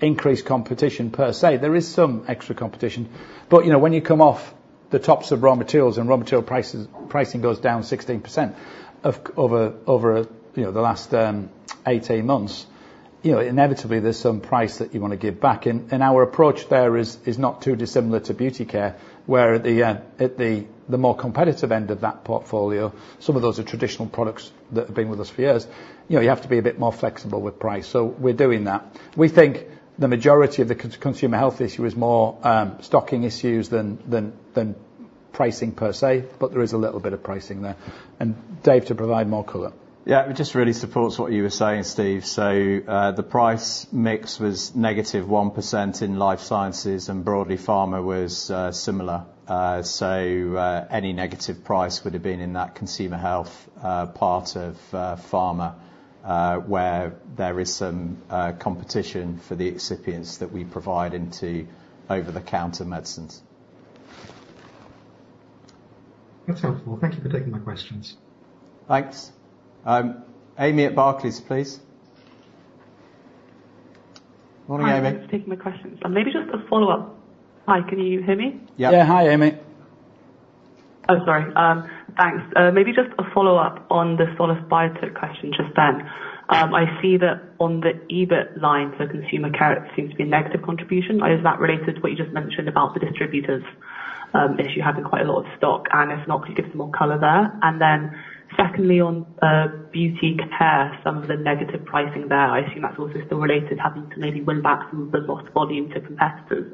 increase in competition per se. There is some extra competition. But when you come off the tops of raw materials and raw material pricing goes down 16% over the last 18 months, inevitably, there's some price that you want to give back. Our approach there is not too dissimilar to Beauty Care, where at the more competitive end of that portfolio, some of those are traditional products that have been with us for years. You have to be a bit more flexible with price. We're doing that. We think the majority of the consumer health issue is more stocking issues than pricing per se, but there is a little bit of pricing there. And Dave, to provide more color. Yeah. It just really supports what you were saying, Steve. The price mix was -1% in Life Sciences, and broadly, pharma was similar. Any negative price would have been in that consumer health part of pharma, where there is some competition for the excipients that we provide into over-the-counter medicines. That's helpful. Thank you for taking my questions. Thanks. Amy at Barclays, please. Morning, Amy. Hi, thanks for taking my questions. Maybe just a follow-up. Hi, can you hear me? Yeah. Hi, Amy. Oh, sorry. Thanks. Maybe just a follow-up on the Solus Biotech question just then. I see that on the EBIT line, so Consumer Care seems to be a negative contribution. Is that related to what you just mentioned about the distributors? If you're having quite a lot of stock, and if not, could you give some more color there? And then secondly, on Beauty Care, some of the negative pricing there, I assume that's also still related, having to maybe win back some of the lost volume to competitors.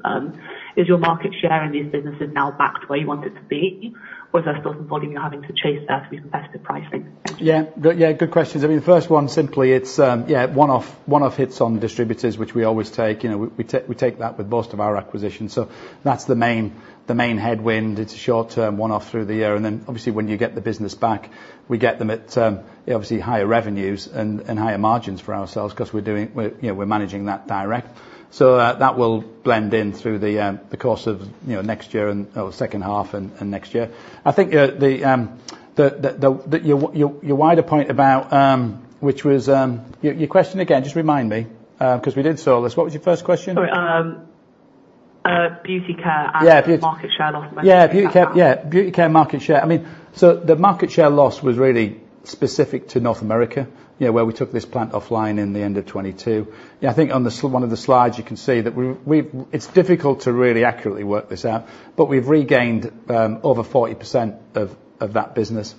Is your market share in these businesses now back to where you want it to be? Or is there still some volume you're having to chase there through competitive pricing? Yeah. Yeah. Good questions. I mean, the first one simply, it's one-off hits on distributors, which we always take. We take that with most of our acquisitions. So that's the main headwind. It's a short-term one-off through the year. And then obviously, when you get the business back, we get them at obviously higher revenues and higher margins for ourselves because we're managing that direct. So that will blend in through the course of next year or second half and next year. I think the wider point about which was your question again, just remind me, because we did Solus. What was your first question? Beauty Care and market share loss? Yeah. Beauty Care market share. I mean, so the market share loss was really specific to North America, where we took this plant offline in the end of 2022. Yeah. I think on one of the slides, you can see that it's difficult to really accurately work this out, but we've regained over 40% of that business.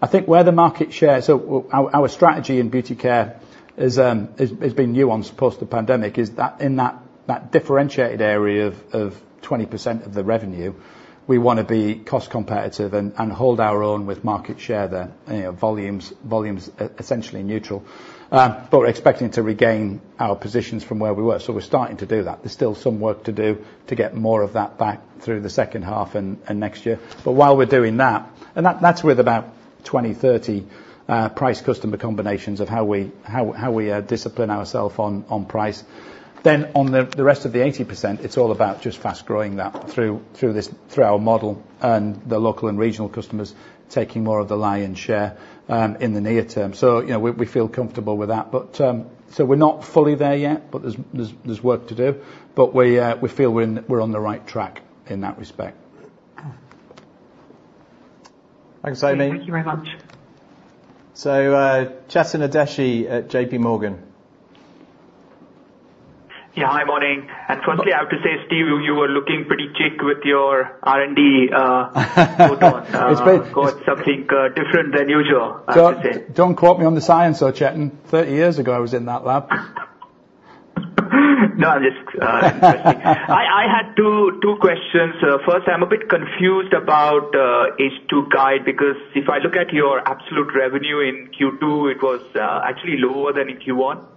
I think where the market share so our strategy in Beauty Care has been nuanced post the pandemic is that in that differentiated area of 20% of the revenue, we want to be cost competitive and hold our own with market share there, volumes essentially neutral. But we're expecting to regain our positions from where we were. So we're starting to do that. There's still some work to do to get more of that back through the second half and next year. But while we're doing that, and that's with about 20-30 price customer combinations of how we discipline ourselves on price. Then on the rest of the 80%, it's all about just fast growing that through our model and the local and regional customers taking more of the lion's share in the near term. So we feel comfortable with that. So we're not fully there yet, but there's work to do. But we feel we're on the right track in that respect. Thanks, Amy. Thank you very much. So Chetan Udeshi at JP Morgan. Yeah. Hi, morning. And firstly, I have to say, Steve, you were looking pretty chic with your R&D photo. It's great. It's something different than usual, I have to say. Don't quote me on the science, though, Chetan. 30 years ago, I was in that lab. No, I'm just jesting. I had two questions. First, I'm a bit confused about H2 guide because if I look at your absolute revenue in Q2, it was actually lower than in Q1.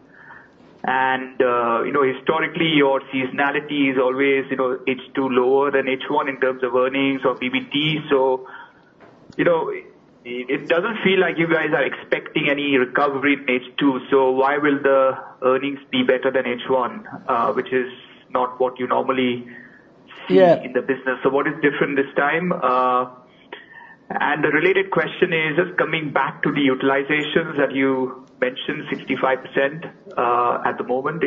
Historically, your seasonality is always H2 lower than H1 in terms of earnings or PBT. So it doesn't feel like you guys are expecting any recovery in H2. So why will the earnings be better than H1, which is not what you normally see in the business? So what is different this time? And the related question is just coming back to the utilizations that you mentioned, 65% at the moment.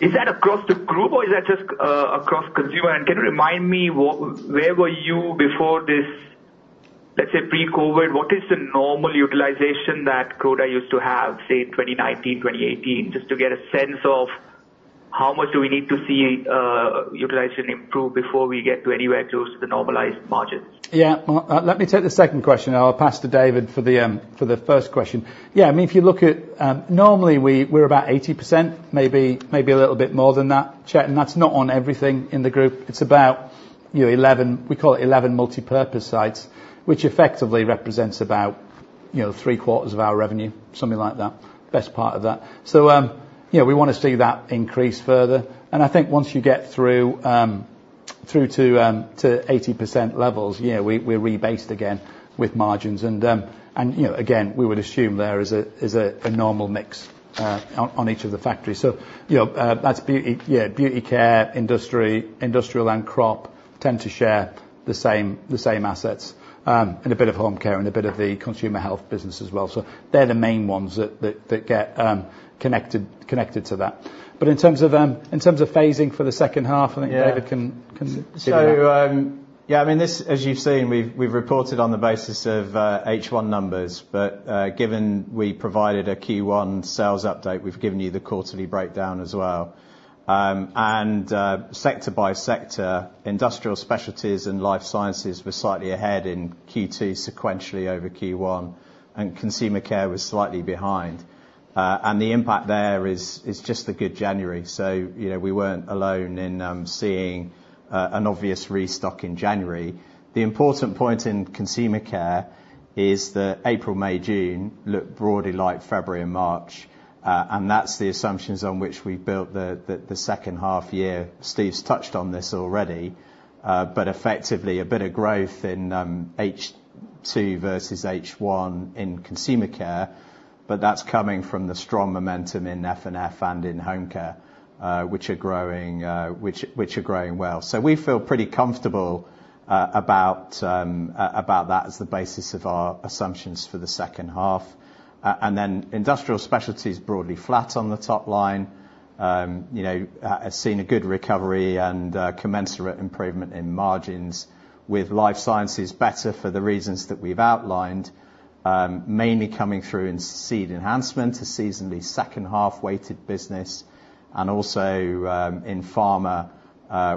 Is that across the group, or is that just across consumer? And can you remind me where were you before this, let's say, pre-COVID? What is the normal utilization that Croda used to have, say, in 2019, 2018? Just to get a sense of how much do we need to see utilization improve before we get to anywhere close to the normalized margins? Yeah. Let me take the second question. I'll pass to David for the first question. Yeah. I mean, if you look at normally, we're about 80%, maybe a little bit more than that, Chetan. That's not on everything in the group. It's about, we call it 11 multipurpose sites, which effectively represents about three-quarters of our revenue, something like that, best part of that. So we want to see that increase further. And I think once you get through to 80% levels, yeah, we're rebased again with margins. And again, we would assume there is a normal mix on each of the factories. So yeah, Beauty Care, industrial, and crop tend to share the same assets and a bit of Home Care and a bit of the consumer health business as well. So they're the main ones that get connected to that. But in terms of phasing for the second half, I think David can do that. So yeah, I mean, as you've seen, we've reported on the basis of H1 numbers. But given we provided a Q1 sales update, we've given you the quarterly breakdown as well. And sector by sector, Industrial Specialties and Life Sciences were slightly ahead in Q2 sequentially over Q1. And Consumer Care was slightly behind. And the impact there is just the good January. So we weren't alone in seeing an obvious restock in January. The important point in Consumer Care is that April, May, June look broadly like February and March. And that's the assumptions on which we built the second half year. Steve's touched on this already, but effectively a bit of growth in H2 versus H1 in Consumer Care. But that's coming from the strong momentum in F&F and in Home Care, which are growing well. So we feel pretty comfortable about that as the basis of our assumptions for the second half. And then Industrial Specialties broadly flat on the top line, have seen a good recovery and commensurate improvement in margins, with Life Sciences better for the reasons that we've outlined, mainly coming through in seed enhancement, a seasonally second half weighted business, and also in pharma,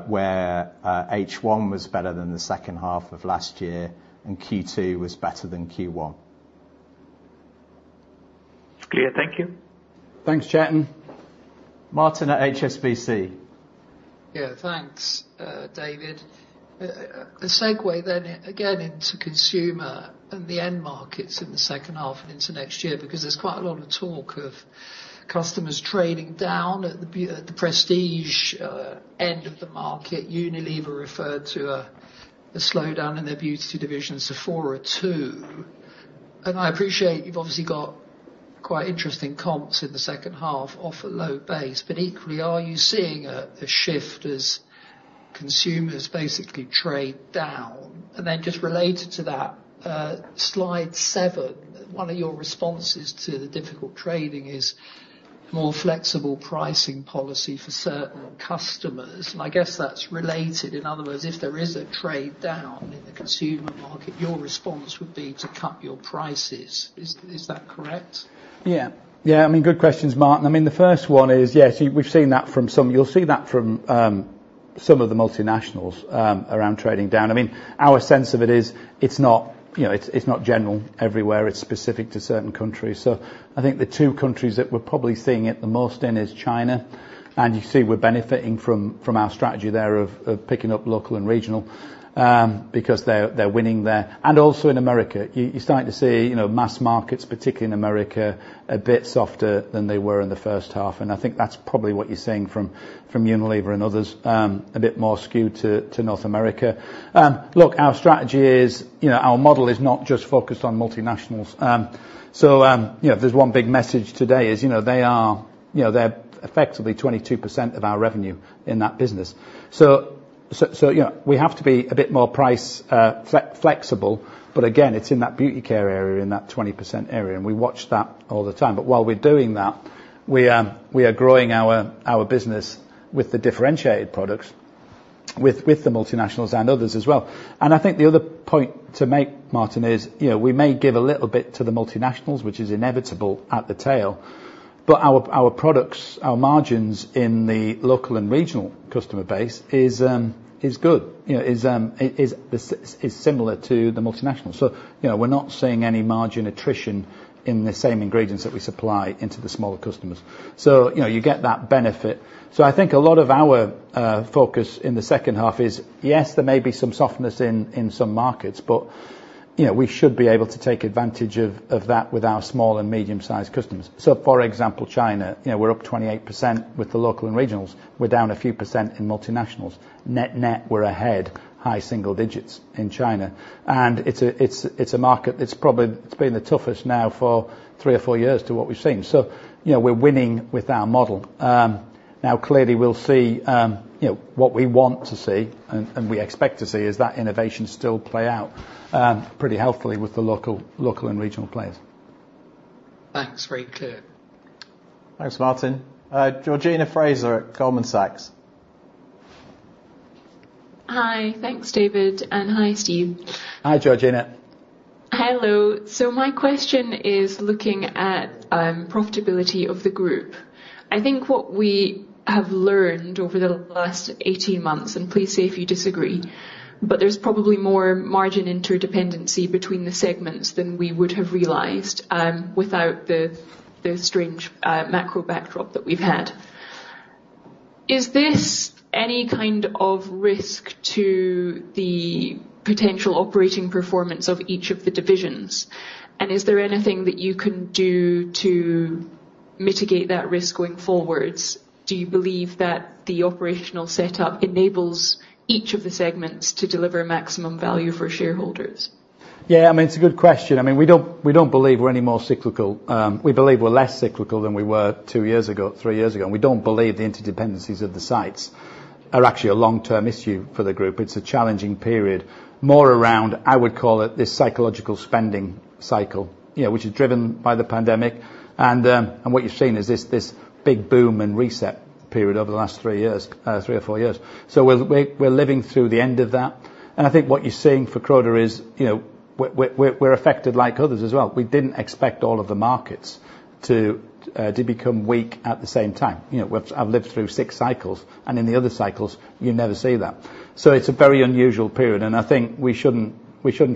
where H1 was better than the second half of last year and Q2 was better than Q1. Clear. Thank you. Thanks, Chetan. Martin at HSBC. Yeah. Thanks, David. A segue, then again, into consumer and the end markets in the second half and into next year because there's quite a lot of talk of customers trading down at the prestige end of the market. Unilever referred to a slowdown in their beauty divisions, a four or two. I appreciate you've obviously got quite interesting comps in the second half off a low base. But equally, are you seeing a shift as consumers basically trade down? Then just related to that, slide seven, one of your responses to the difficult trading is more flexible pricing policy for certain customers. I guess that's related. In other words, if there is a trade down in the consumer market, your response would be to cut your prices. Is that correct? Yeah. Yeah. I mean, good questions, Martin. I mean, the first one is, yeah, we've seen that from some. You'll see that from some of the multinationals around trading down. I mean, our sense of it is it's not general everywhere. It's specific to certain countries. So I think the two countries that we're probably seeing it the most in is China. And you see we're benefiting from our strategy there of picking up local and regional because they're winning there. And also in America, you're starting to see mass markets, particularly in America, a bit softer than they were in the first half. And I think that's probably what you're seeing from Unilever and others, a bit more skewed to North America. Look, our strategy is our model is not just focused on multinationals. So there's one big message today is they are effectively 22% of our revenue in that business. So we have to be a bit more price flexible. But again, it's in that Beauty Care area, in that 20% area. And we watch that all the time. But while we're doing that, we are growing our business with the differentiated products, with the multinationals and others as well. And I think the other point to make, Martin, is we may give a little bit to the multinationals, which is inevitable at the tail. But our products, our margins in the local and regional customer base is good, is similar to the multinationals. So we're not seeing any margin attrition in the same ingredients that we supply into the smaller customers. So you get that benefit. So I think a lot of our focus in the second half is, yes, there may be some softness in some markets, but we should be able to take advantage of that with our small and medium-sized customers. So for example, China, we're up 28% with the local and regionals. We're down a few percent in multinationals. Net-net, we're ahead, high single digits in China. And it's a market that's probably been the toughest now for three or four years to what we've seen. So we're winning with our model. Now, clearly, we'll see what we want to see and we expect to see is that innovation still play out pretty healthily with the local and regional players. Thanks. Very clear. Thanks, Martin. Georgina Fraser at Goldman Sachs. Hi. Thanks, David. And hi, Steve. Hi, Georgina. Hello. So my question is looking at profitability of the group. I think what we have learned over the last 18 months, and please say if you disagree, but there's probably more margin interdependency between the segments than we would have realized without the strange macro backdrop that we've had. Is this any kind of risk to the potential operating performance of each of the divisions? And is there anything that you can do to mitigate that risk going forwards? Do you believe that the operational setup enables each of the segments to deliver maximum value for shareholders? Yeah. I mean, it's a good question. I mean, we don't believe we're any more cyclical. We believe we're less cyclical than we were two years ago, three years ago. And we don't believe the interdependencies of the sites are actually a long-term issue for the group. It's a challenging period, more around, I would call it, this psychological spending cycle, which is driven by the pandemic. And what you've seen is this big boom and reset period over the last three years, three or four years. So we're living through the end of that. And I think what you're seeing for Croda is we're affected like others as well. We didn't expect all of the markets to become weak at the same time. I've lived through six cycles. And in the other cycles, you never see that. So it's a very unusual period. And I think we shouldn't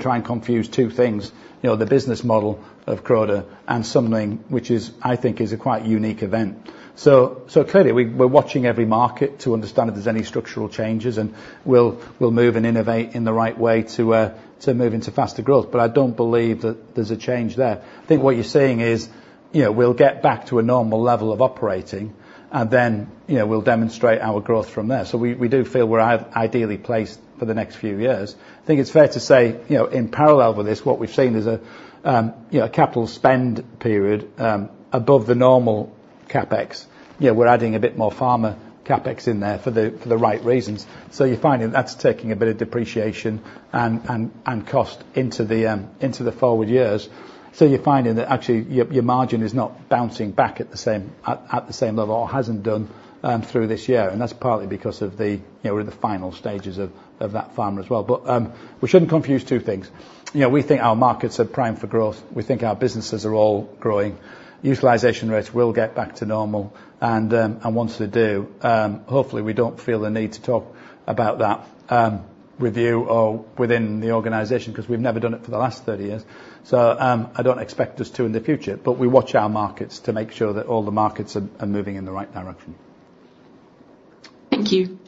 try and confuse two things, the business model of Croda and something which I think is a quite unique event. So clearly, we're watching every market to understand if there's any structural changes, and we'll move and innovate in the right way to move into faster growth. But I don't believe that there's a change there. I think what you're seeing is we'll get back to a normal level of operating, and then we'll demonstrate our growth from there. So we do feel we're ideally placed for the next few years. I think it's fair to say, in parallel with this, what we've seen is a capital spend period above the normal CapEx. We're adding a bit more pharma CapEx in there for the right reasons. So you're finding that's taking a bit of depreciation and cost into the forward years. So you're finding that actually your margin is not bouncing back at the same level or hasn't done through this year. And that's partly because we're in the final stages of that pharma as well. But we shouldn't confuse two things. We think our markets are primed for growth. We think our businesses are all growing. Utilization rates will get back to normal. Once they do, hopefully, we don't feel the need to talk about that review within the organization because we've never done it for the last 30 years. I don't expect us to in the future. We watch our markets to make sure that all the markets are moving in the right direction. Thank you.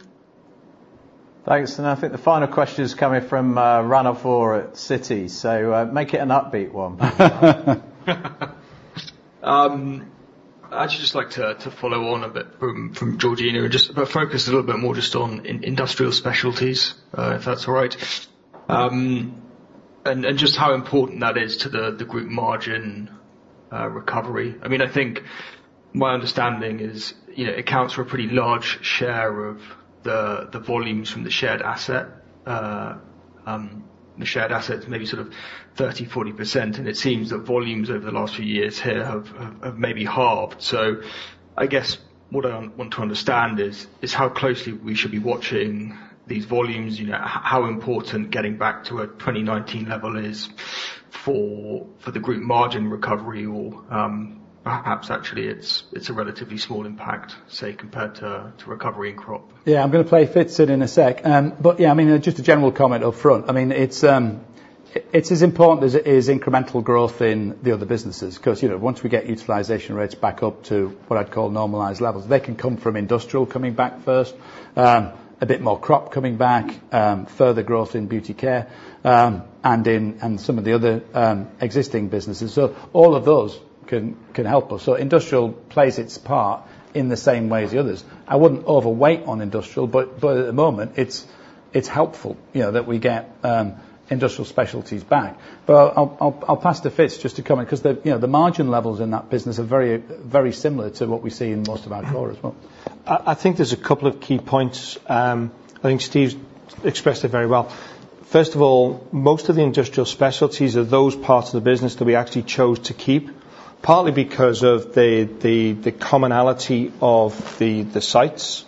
Thanks. I think the final question is coming from Ranulf Orr at Citi. Make it an upbeat one. I'd just like to follow on a bit from Georgina and just focus a little bit more just on Industrial Specialties, if that's all right, and just how important that is to the group margin recovery. I mean, I think my understanding is it accounts for a pretty large share of the volumes from the shared assets. Maybe sort of 30%-40%. It seems that volumes over the last few years here have maybe halved. So I guess what I want to understand is how closely we should be watching these volumes, how important getting back to a 2019 level is for the group margin recovery, or perhaps actually it's a relatively small impact, say, compared to recovery in crop? Yeah. I'm going to play Fitz in a sec. But yeah, I mean, just a general comment upfront. I mean, it's as important as it is incremental growth in the other businesses because once we get utilization rates back up to what I'd call normalized levels, they can come from industrial coming back first, a bit more crop coming back, further growth in Beauty Care, and some of the other existing businesses. So all of those can help us. So industrial plays its part in the same way as the others. I wouldn't overweight on industrial. But at the moment, it's helpful that we get Industrial Specialties back. But I'll pass to Fitz just to comment because the margin levels in that business are very similar to what we see in most of our core as well. I think there's a couple of key points. I think Steve's expressed it very well. First of all, most of the Industrial Specialties are those parts of the business that we actually chose to keep, partly because of the commonality of the sites.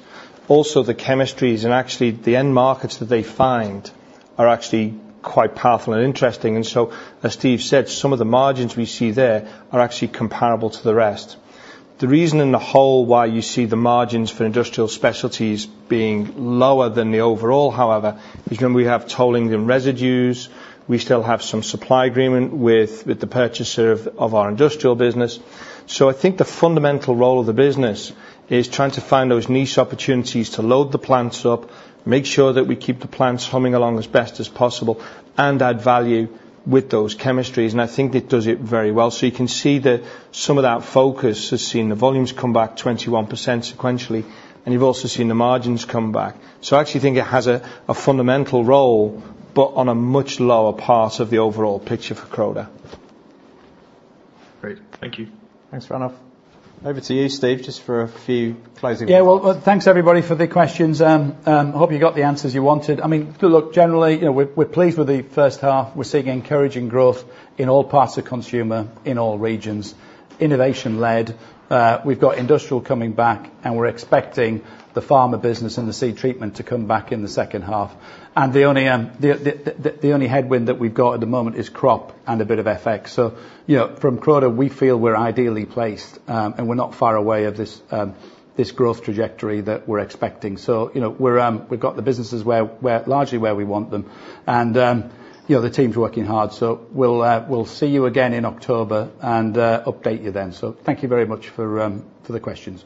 Also, the chemistries and actually the end markets that they find are actually quite powerful and interesting. And so as Steve said, some of the margins we see there are actually comparable to the rest. The reason in the whole why you see the margins for Industrial Specialties being lower than the overall, however, is when we have tolling and residues. We still have some supply agreement with the purchaser of our industrial business. So I think the fundamental role of the business is trying to find those niche opportunities to load the plants up, make sure that we keep the plants humming along as best as possible, and add value with those chemistries. And I think it does it very well. So you can see that some of that focus has seen the volumes come back 21% sequentially. And you've also seen the margins come back. So I actually think it has a fundamental role, but on a much lower part of the overall picture for Croda. Great. Thank you. Thanks, Ranulf. Over to you, Steve, just for a few closing questions. Yeah. Well, thanks, everybody, for the questions. I hope you got the answers you wanted. I mean, look, generally, we're pleased with the first half. We're seeing encouraging growth in all parts of consumer in all regions, innovation-led. We've got industrial coming back, and we're expecting the pharma business and the Seed Treatment to come back in the second half. And the only headwind that we've got at the moment is crop and a bit of FX. So from Croda, we feel we're ideally placed, and we're not far away of this growth trajectory that we're expecting. So we've got the businesses largely where we want them. And the team's working hard. So we'll see you again in October and update you then. So thank you very much for the questions.